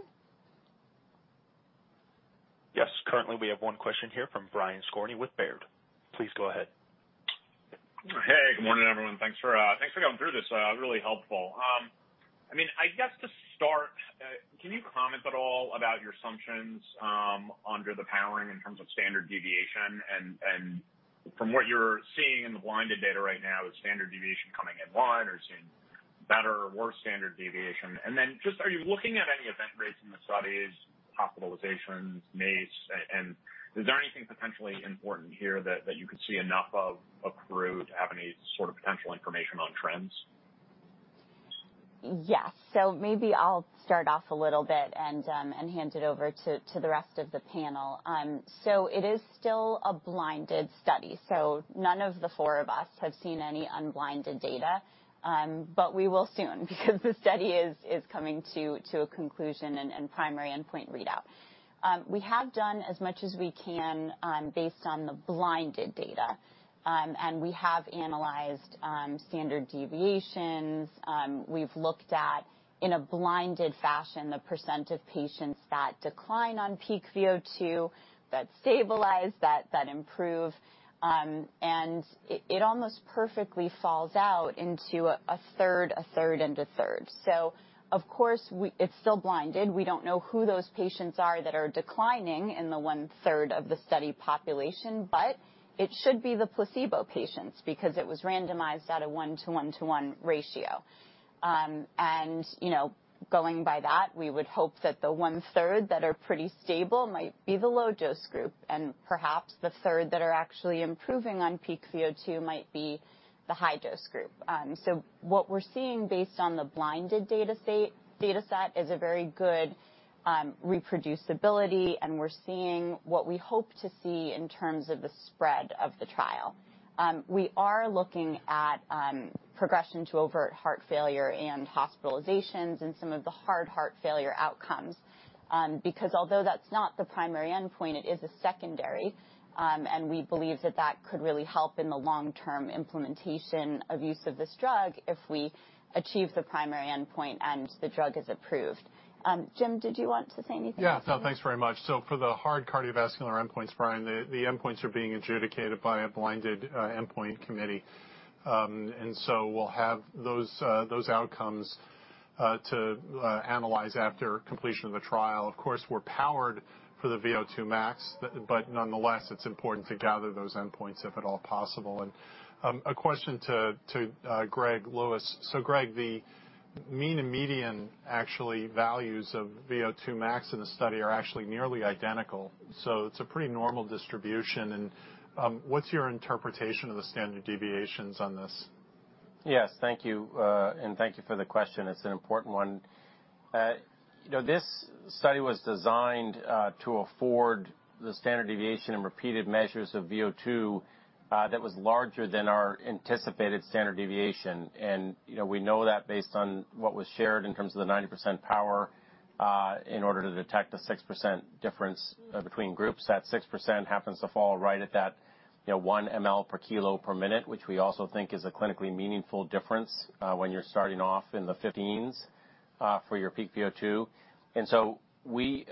Yes. Currently, we have one question here from Brian Skorney with Baird. Please go ahead. Hey, good morning, everyone. Thanks for going through this, really helpful. I mean, I guess to start, can you comment at all about your assumptions under the powering in terms of standard deviation? And from what you're seeing in the blinded data right now, is standard deviation coming in line or seeing better or worse standard deviation? And then, just are you looking at any event rates in the studies, hospitalizations, MACE? And is there anything potentially important here that you could see enough of accrued to have any sort of potential information on trends? Yes. So maybe I'll start off a little bit and hand it over to the rest of the panel. So it is still a blinded study, so none of the four of us have seen any unblinded data. But we will soon because the study is coming to a conclusion and primary endpoint readout. We have done as much as we can based on the blinded data. And we have analyzed standard deviations. We've looked at, in a blinded fashion, the percent of patients that decline on peak VO2, that stabilize, that improve. And it almost perfectly falls out into a third, a third, and a third. So of course, it's still blinded. We don't know who those patients are that are declining in the one-third of the study population. But it should be the placebo patients because it was randomized at a 1:1:1 ratio. And, you know, going by that, we would hope that the one-third that are pretty stable might be the low dose group, and perhaps the third that are actually improving on Peak VO2 might be the high dose group. So what we're seeing based on the blinded data set is a very good reproducibility, and we're seeing what we hope to see in terms of the spread of the trial. We are looking at progression to overt heart failure and hospitalizations and some of the hard heart failure outcomes. Because although that's not the primary endpoint, it is a secondary. We believe that that could really help in the long-term implementation of use of this drug if we achieve the primary endpoint, and the drug is approved. Jim, did you want to say anything? Yeah. No, thanks very much. So for the hard cardiovascular endpoints, Brian, the endpoints are being adjudicated by a blinded endpoint committee. And so we'll have those outcomes to analyze after completion of the trial. Of course, we're powered for the VO2 max. But nonetheless, it's important to gather those endpoints, if at all possible. A question to Greg Lewis. So, Greg, the mean and median actual values of VO2 max in the study are actually nearly identical, so it's a pretty normal distribution. What's your interpretation of the standard deviations on this? Yes, thank you. And thank you for the question. It's an important one. You know, this study was designed to afford the standard deviation and repeated measures of VO2 that was larger than our anticipated standard deviation. And, you know, we know that based on what was shared in terms of the 90% power in order to detect a 6% difference between groups. That 6% happens to fall right at that, you know, 1 mL per kg per minute, which we also think is a clinically meaningful difference when you're starting off in the 15s for your peak VO2. And so we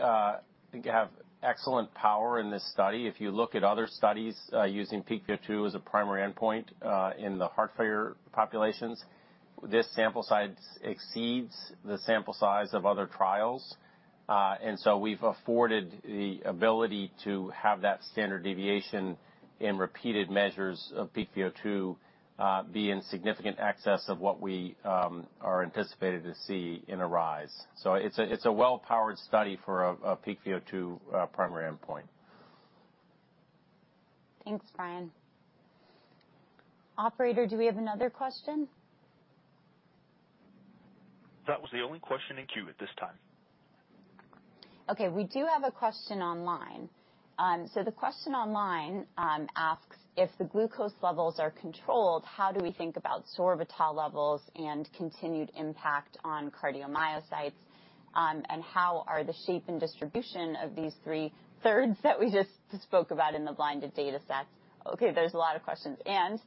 think you have excellent power in this study. If you look at other studies, using peak VO2 as a primary endpoint, in the heart failure populations, this sample size exceeds the sample size of other trials. And so we've afforded the ability to have that standard deviation in repeated measures of peak VO2, be in significant excess of what we are anticipated to see in ARISE. So it's a, it's a well-powered study for a, a Peak VO2, primary endpoint. Thanks, Brian. Operator, do we have another question? That was the only question in queue at this time. Okay, we do have a question online. So the question online asks: "If the glucose levels are controlled, how do we think about sorbitol levels and continued impact on cardiomyocytes? And how are the shape and distribution of these 3-thirds that we just spoke about in the blinded data sets?" Okay, there's a lot of questions. "And,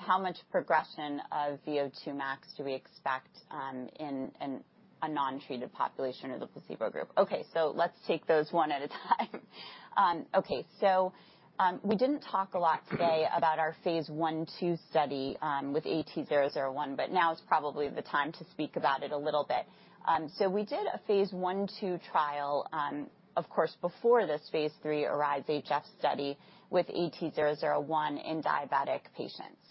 how much progression of VO2 max do we expect, in a non-treated population or the placebo group?" Okay, so let's take those one at a time. Okay, so, we didn't talk a lot today about our phase 1/2 study with AT-001, but now is probably the time to speak about it a little bit. So we did a phase 1/2 trial, of course, before this phase 3 ARISE-HF study with AT-001 in diabetic patients.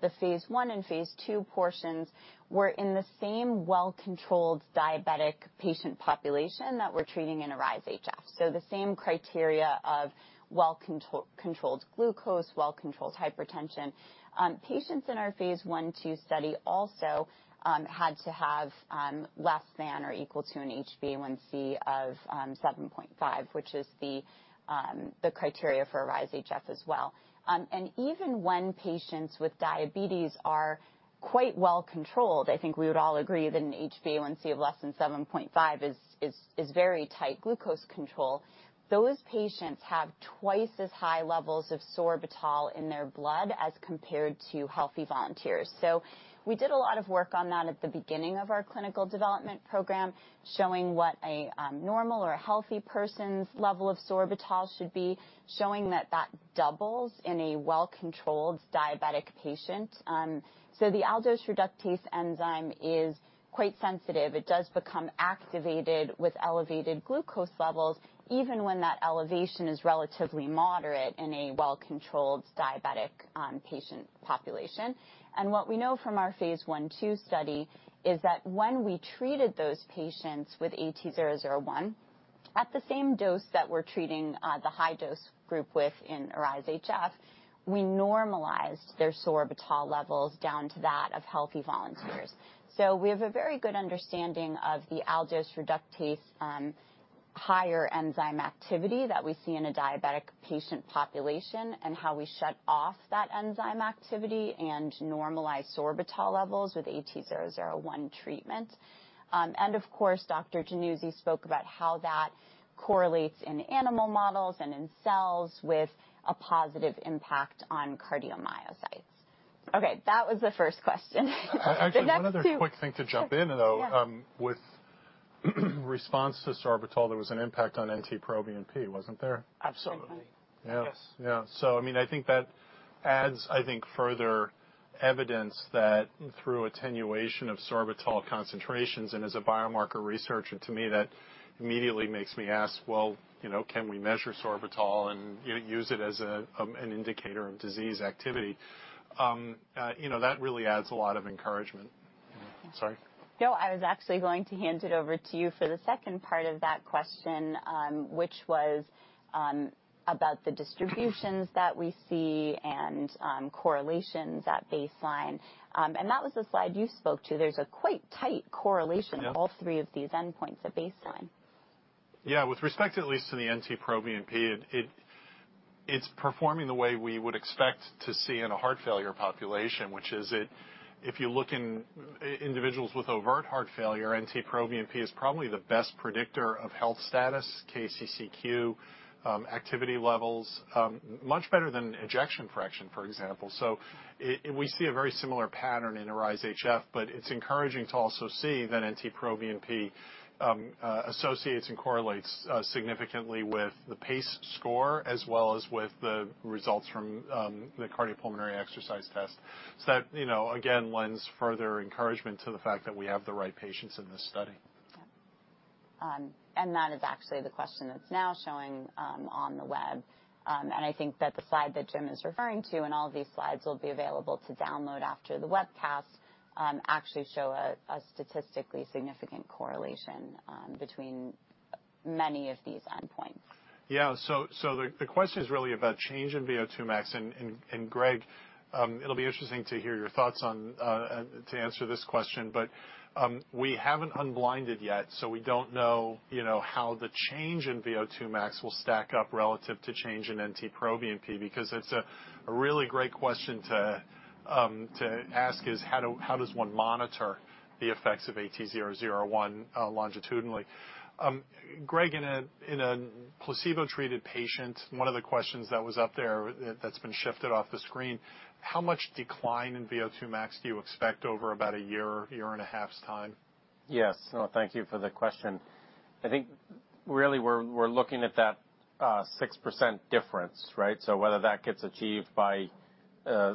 The phase one and phase two portions were in the same well-controlled diabetic patient population that we're treating in ARISE-HF. So the same criteria of well-controlled glucose, well-controlled hypertension. Patients in our phase one, two study also had to have less than or equal to an HbA1c of 7.5, which is the criteria for ARISE-HF as well. And even when patients with diabetes are quite well controlled, I think we would all agree that an HbA1c of less than 7.5 is very tight glucose control. Those patients have twice as high levels of sorbitol in their blood as compared to healthy volunteers. So we did a lot of work on that at the beginning of our clinical development program, showing what a normal or a healthy person's level of sorbitol should be, showing that that doubles in a well-controlled diabetic patient. So the aldose reductase enzyme is quite sensitive. It does become activated with elevated glucose levels, even when that elevation is relatively moderate in a well-controlled diabetic patient population. And what we know from our phase 1/2 study is that when we treated those patients with AT-001, at the same dose that we're treating the high dose group with in ARISE-HF, we normalized their sorbitol levels down to that of healthy volunteers. So we have a very good understanding of the aldose reductase, higher enzyme activity that we see in a diabetic patient population, and how we shut off that enzyme activity and normalize sorbitol levels with AT-001 treatment. And of course, Dr. Januzzi spoke about how that correlates in animal models and in cells with a positive impact on cardiomyocytes. Okay, that was the first question. The next two- Actually, another quick thing to jump in, though. Yeah. With response to sorbitol, there was an impact on NT-proBNP, wasn't there? Absolutely. Mm-hmm. Yes. Yeah. So, I mean, I think that adds, I think, further evidence that through attenuation of sorbitol concentrations, and as a biomarker researcher, to me, that immediately makes me ask: Well, you know, can we measure sorbitol and use it as a, an indicator of disease activity? You know, that really adds a lot of encouragement. Sorry. No, I was actually going to hand it over to you for the second part of that question, which was about the distributions that we see and correlations at baseline. And that was the slide you spoke to. There's a quite tight correlation- Yeah... all three of these endpoints at baseline. Yeah, with respect, at least to the NT-proBNP, it's performing the way we would expect to see in a heart failure population, which is it. If you look in individuals with overt heart failure, NT-proBNP is probably the best predictor of health status, KCCQ, activity levels, much better than ejection fraction, for example. So we see a very similar pattern in ARISE-HF, but it's encouraging to also see that NT-proBNP associates and correlates significantly with the PACE score, as well as with the results from the cardiopulmonary exercise test. So that, you know, again, lends further encouragement to the fact that we have the right patients in this study. Yeah. And that is actually the question that's now showing on the web. And I think that the slide that Jim is referring to, and all of these slides will be available to download after the webcast, actually show a statistically significant correlation between many of these endpoints. Yeah. So the question is really about change in VO2max. And Greg, it'll be interesting to hear your thoughts on to answer this question, but we haven't unblinded yet, so we don't know, you know, how the change in VO2max will stack up relative to change in NT-proBNP, because it's a really great question to ask is: How does one monitor the effects of AT-001 longitudinally? Greg, in a placebo-treated patient, one of the questions that was up there, that's been shifted off the screen, how much decline in VO2max do you expect over about a year, year and a half's time? Yes. Well, thank you for the question. I think really we're looking at that 6% difference, right? So whether that gets achieved by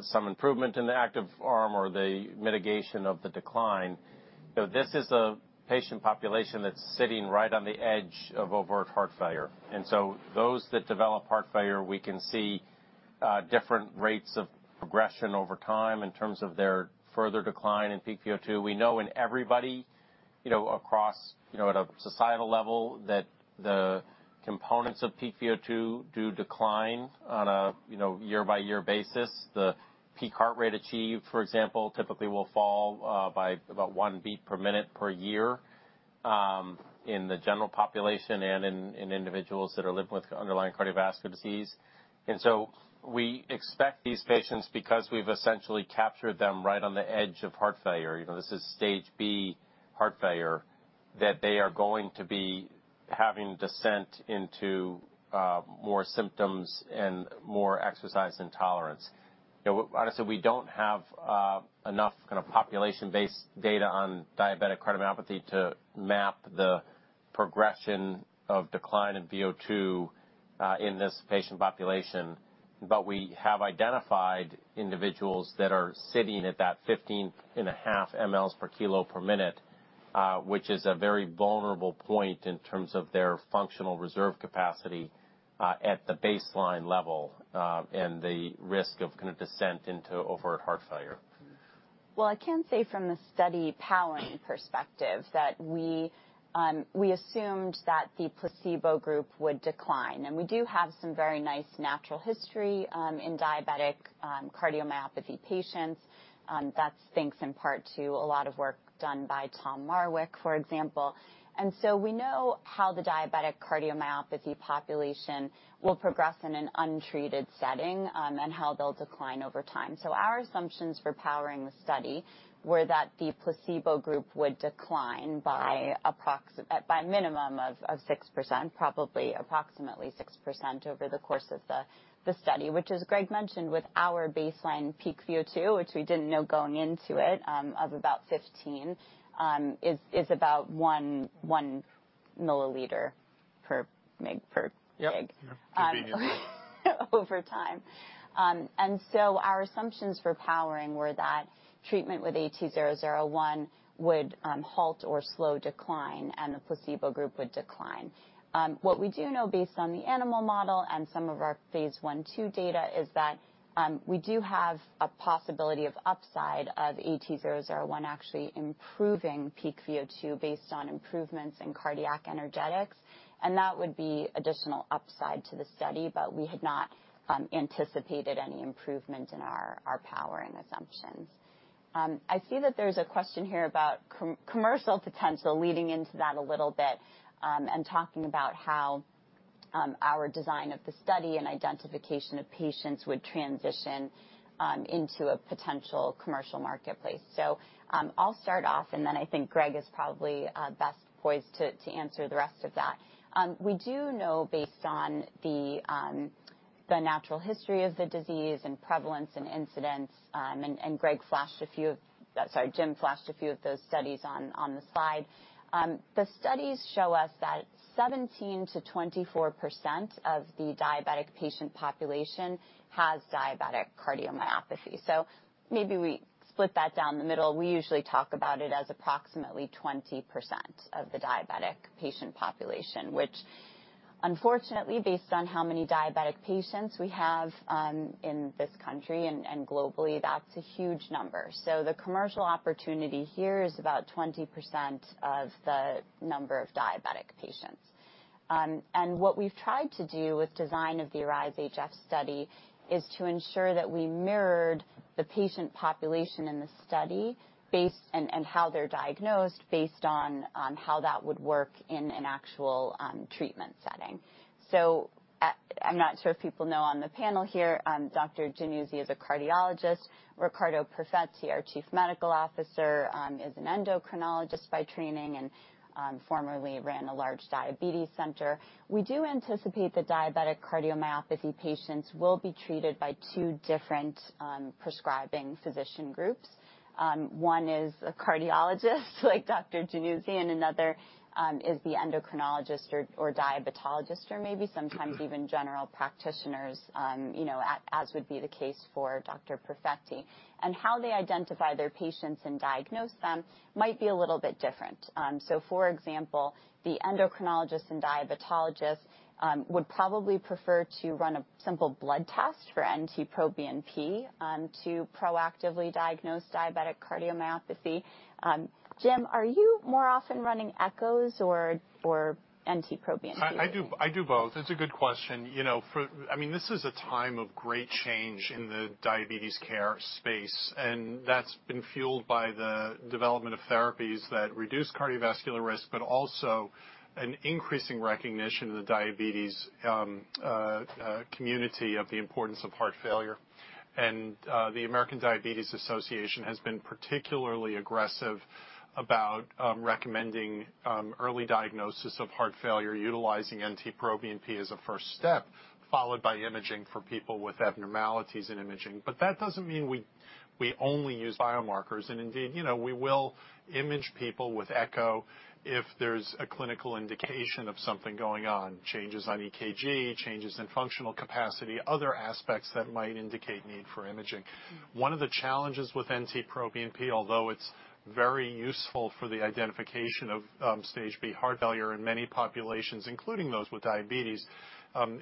some improvement in the active arm or the mitigation of the decline, so this is a patient population that's sitting right on the edge of overt heart failure. And so those that develop heart failure, we can see different rates of progression over time in terms of their further decline in Peak VO2. We know in everybody, you know, across, you know, at a societal level, that the components of Peak VO2 do decline on a year-by-year basis. The peak heart rate achieved, for example, typically will fall by about 1 beat per minute per year in the general population and in individuals that are living with underlying cardiovascular disease. And so we expect these patients because we've essentially captured them right on the edge of heart failure, you know, this is stage B heart failure, that they are going to be having descent into more symptoms and more exercise intolerance. You know, honestly, we don't have enough kind of population-based data on diabetic cardiomyopathy to map the progression of decline in VO2 in this patient population, but we have identified individuals that are sitting at that 15.5 mL/kg/min, which is a very vulnerable point in terms of their functional reserve capacity at the baseline level and the risk of kind of descent into overt heart failure.... Well, I can say from the study powering perspective that we assumed that the placebo group would decline, and we do have some very nice natural history in diabetic cardiomyopathy patients. That's thanks in part to a lot of work done by Tom Marwick, for example. So we know how the diabetic cardiomyopathy population will progress in an untreated setting and how they'll decline over time. Our assumptions for powering the study were that the placebo group would decline by a minimum of 6%, probably approximately 6% over the course of the study. Which, as Greg mentioned, with our baseline peak VO2, which we didn't know going into it, of about 15, is about 1 mL per kg per kg over time. And so our assumptions for powering were that treatment with AT-001 would halt or slow decline, and the placebo group would decline. What we do know based on the animal model and some of our phase one, two data is that we do have a possibility of upside of AT-001 actually improving peak VO2 based on improvements in cardiac energetics, and that would be additional upside to the study, but we had not anticipated any improvement in our powering assumptions. I see that there's a question here about commercial potential, leading into that a little bit, and talking about how our design of the study and identification of patients would transition into a potential commercial marketplace. So, I'll start off, and then I think Greg is probably best poised to answer the rest of that. We do know, based on the, the natural history of the disease and prevalence and incidence, and Greg flashed a few of... Sorry, Jim flashed a few of those studies on the slide. The studies show us that 17%-24% of the diabetic patient population has diabetic cardiomyopathy, so maybe we split that down the middle. We usually talk about it as approximately 20% of the diabetic patient population, which unfortunately, based on how many diabetic patients we have, in this country and globally, that's a huge number. So the commercial opportunity here is about 20% of the number of diabetic patients. And what we've tried to do with design of the ARISE-HF study is to ensure that we mirrored the patient population in the study, based on how they're diagnosed, based on how that would work in an actual treatment setting. So, I'm not sure if people know on the panel here, Dr. Januzzi is a cardiologist. Riccardo Perfetti, our Chief Medical Officer, is an endocrinologist by training and formerly ran a large diabetes center. We do anticipate the diabetic cardiomyopathy patients will be treated by two different prescribing physician groups. One is a cardiologist, like Dr. Januzzi, and another is the endocrinologist or diabetologist, or maybe sometimes even general practitioners, you know, as would be the case for Dr. Perfetti. And how they identify their patients and diagnose them might be a little bit different. So for example, the endocrinologist and diabetologist would probably prefer to run a simple blood test for NT-proBNP to proactively diagnose diabetic cardiomyopathy. Jim, are you more often running echoes or NT-proBNP? I do both. It's a good question. You know, I mean, this is a time of great change in the diabetes care space, and that's been fueled by the development of therapies that reduce cardiovascular risk, but also an increasing recognition in the diabetes community of the importance of heart failure. And, the American Diabetes Association has been particularly aggressive about recommending early diagnosis of heart failure, utilizing NT-proBNP as a first step, followed by imaging for people with abnormalities in imaging. But that doesn't mean we only use biomarkers. And indeed, you know, we will image people with echo if there's a clinical indication of something going on, changes on EKG, changes in functional capacity, other aspects that might indicate need for imaging. One of the challenges with NT-proBNP, although it's very useful for the identification of stage B heart failure in many populations, including those with diabetes,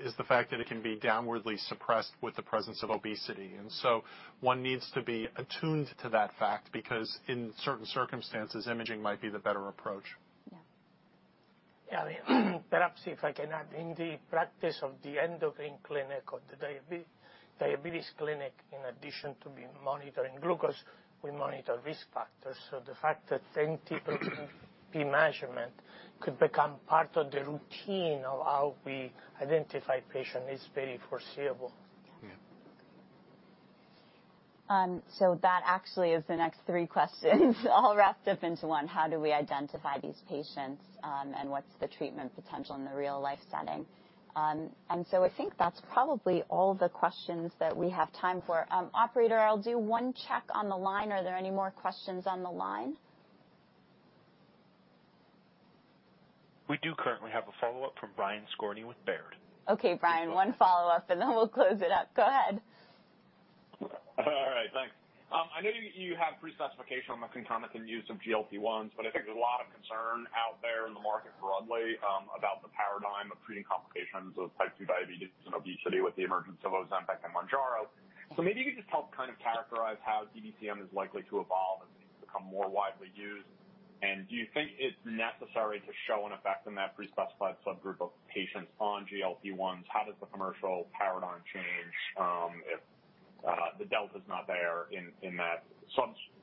is the fact that it can be downwardly suppressed with the presence of obesity. And so one needs to be attuned to that fact, because in certain circumstances, imaging might be the better approach. Yeah. Yeah. Perhaps if I can add, in the practice of the endocrine clinic or the diabetes clinic, in addition to monitoring glucose, we monitor risk factors. So the fact that NT-proBNP measurement could become part of the routine of how we identify patient is very foreseeable. Yeah. Yeah. So that actually is the next three questions, all wrapped up into one: How do we identify these patients, and what's the treatment potential in the real-life setting? So I think that's probably all the questions that we have time for. Operator, I'll do one check on the line. Are there any more questions on the line? We do currently have a follow-up from Brian Skorney with Baird. Okay, Brian, one follow-up, and then we'll close it up. Go ahead. All right. Thanks. I know you have pre-specification on the concomitant use of GLP-1s, but I think there's a lot of concern out there in the market broadly about the paradigm of treating complications of type 2 diabetes and obesity with the emergence of Ozempic and Mounjaro. So maybe you could just help kind of characterize how DbCM is likely to evolve and more widely used? And do you think it's necessary to show an effect in that pre-specified subgroup of patients on GLP-1s? How does the commercial paradigm change if the delta is not there in that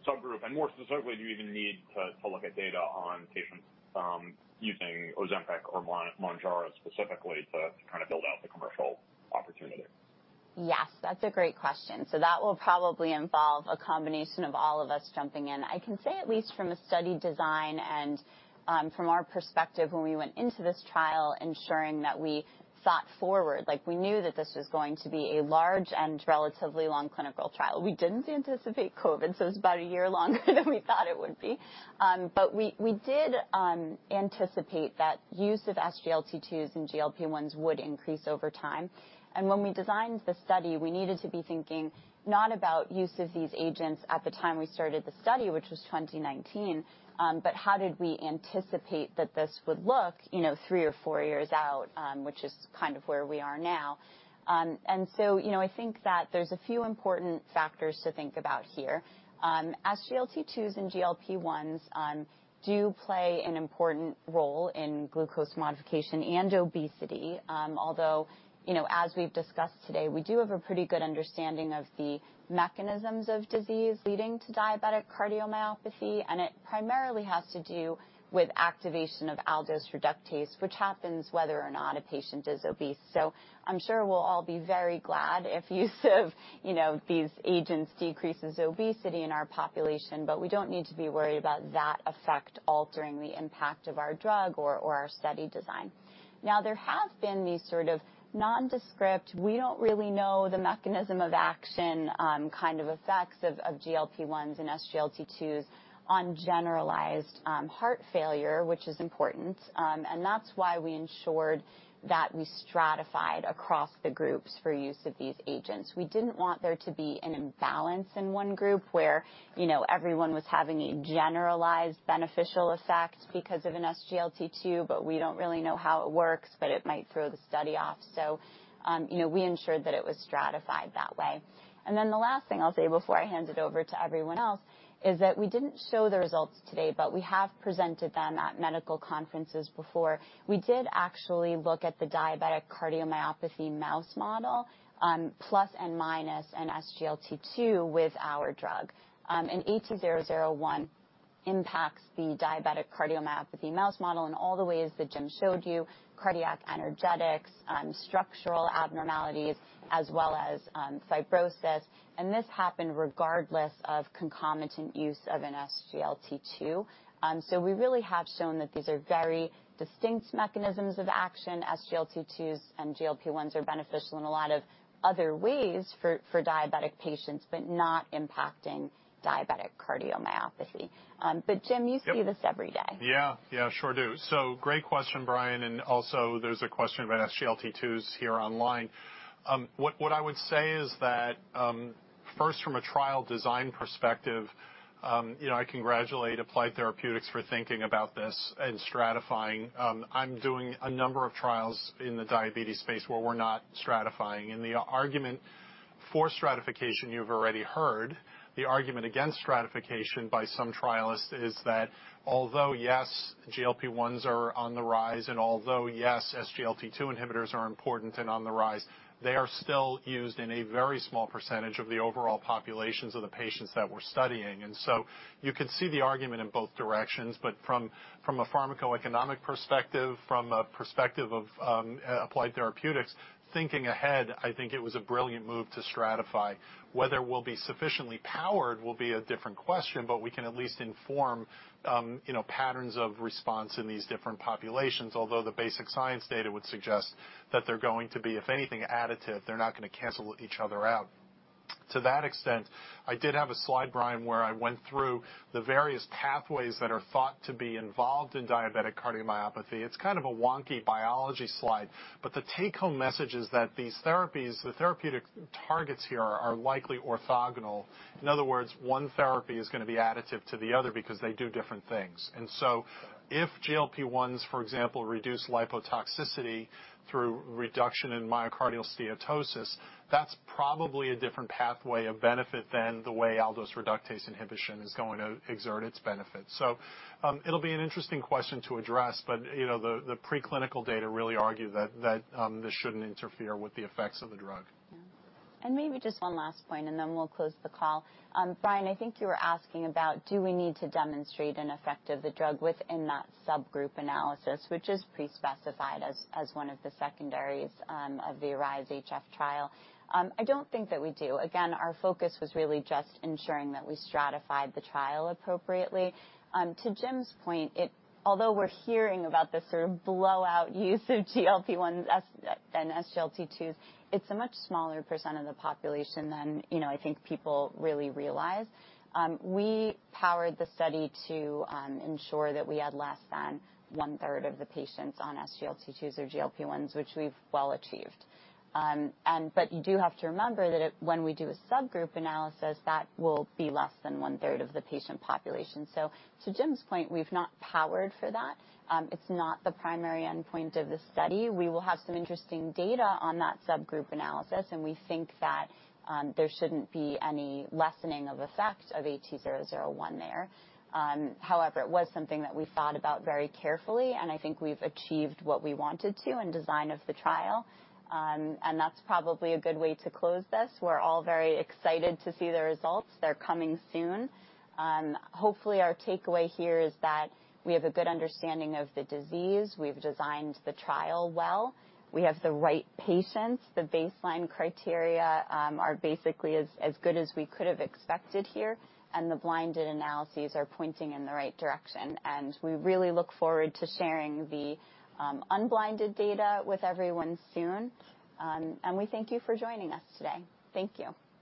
subgroup? And more specifically, do you even need to look at data on patients using Ozempic or Mounjaro specifically to kind of build out the commercial opportunity? Yes, that's a great question. So that will probably involve a combination of all of us jumping in. I can say, at least from a study design and from our perspective when we went into this trial ensuring that we thought forward, like, we knew that this was going to be a large and relatively long clinical trial. We didn't anticipate COVID, so it's about a year longer than we thought it would be. But we, we did anticipate that use of SGLT2s and GLP-1s would increase over time. And when we designed the study, we needed to be thinking not about use of these agents at the time we started the study, which was 2019, but how did we anticipate that this would look, you know, three or four years out, which is kind of where we are now. And so, you know, I think that there's a few important factors to think about here. SGLT2s and GLP-1s do play an important role in glucose modification and obesity. Although, you know, as we've discussed today, we do have a pretty good understanding of the mechanisms of disease leading to diabetic cardiomyopathy, and it primarily has to do with activation of aldose reductase, which happens whether or not a patient is obese. So I'm sure we'll all be very glad if use of, you know, these agents decreases obesity in our population, but we don't need to be worried about that effect altering the impact of our drug or, or our study design. Now, there have been these sort of nondescript, we don't really know the mechanism of action, kind of effects of, of GLP-1s and SGLT2s on generalized, heart failure, which is important. And that's why we ensured that we stratified across the groups for use of these agents. We didn't want there to be an imbalance in one group where, you know, everyone was having a generalized beneficial effect because of an SGLT2, but we don't really know how it works, but it might throw the study off. So, you know, we ensured that it was stratified that way. And then the last thing I'll say before I hand it over to everyone else is that we didn't show the results today, but we have presented them at medical conferences before. We did actually look at the diabetic cardiomyopathy mouse model, plus and minus and SGLT2 with our drug. And AT-001 impacts the diabetic cardiomyopathy mouse model in all the ways that Jim showed you, cardiac energetics, structural abnormalities, as well as fibrosis. This happened regardless of concomitant use of an SGLT2. So we really have shown that these are very distinct mechanisms of action. SGLT2s and GLP-1s are beneficial in a lot of other ways for diabetic patients, but not impacting diabetic cardiomyopathy. But Jim, you see this every day. Yeah. Yeah, sure do. So great question, Brian. And also, there's a question about SGLT2s here online. What I would say is that, first, from a trial design perspective, you know, I congratulate Applied Therapeutics for thinking about this and stratifying. I'm doing a number of trials in the diabetes space where we're not stratifying, and the argument for stratification, you've already heard. The argument against stratification by some trialists is that although, yes, GLP-1s are on the rise, and although, yes, SGLT2 inhibitors are important and on the rise, they are still used in a very small percentage of the overall populations of the patients that we're studying. And so you can see the argument in both directions, but from a pharmacoeconomic perspective, from a perspective of Applied Therapeutics, thinking ahead, I think it was a brilliant move to stratify. Whether we'll be sufficiently powered will be a different question, but we can at least inform, you know, patterns of response in these different populations. Although the basic science data would suggest that they're going to be, if anything, additive, they're not gonna cancel each other out. To that extent, I did have a slide, Brian, where I went through the various pathways that are thought to be involved in diabetic cardiomyopathy. It's kind of a wonky biology slide, but the take-home message is that these therapies, the therapeutic targets here are likely orthogonal. In other words, one therapy is gonna be additive to the other because they do different things. And so if GLP-1s, for example, reduce lipotoxicity through reduction in myocardial steatosis, that's probably a different pathway of benefit than the way aldose reductase inhibition is going to exert its benefits. It'll be an interesting question to address, but, you know, the preclinical data really argue that this shouldn't interfere with the effects of the drug. Yeah. And maybe just one last point, and then we'll close the call. Brian, I think you were asking about, do we need to demonstrate an effect of the drug within that subgroup analysis, which is pre-specified as one of the secondaries of the ARISE-HF trial? I don't think that we do. Again, our focus was really just ensuring that we stratified the trial appropriately. To Jim's point, it, although we're hearing about this sort of blowout use of GLP-1s as than SGLT2s, it's a much smaller percent of the population than, you know, I think people really realize. We powered the study to ensure that we had less than one third of the patients on SGLT2s or GLP-1s, which we've well achieved. And but you do have to remember that it... When we do a subgroup analysis, that will be less than one third of the patient population. So to Jim's point, we've not powered for that. It's not the primary endpoint of the study. We will have some interesting data on that subgroup analysis, and we think that there shouldn't be any lessening of effect of AT-001 there. However, it was something that we thought about very carefully, and I think we've achieved what we wanted to in design of the trial. And that's probably a good way to close this. We're all very excited to see the results. They're coming soon. Hopefully, our takeaway here is that we have a good understanding of the disease, we've designed the trial well, we have the right patients. The baseline criteria are basically as good as we could have expected here, and the blinded analyses are pointing in the right direction. We really look forward to sharing the unblinded data with everyone soon. We thank you for joining us today. Thank you.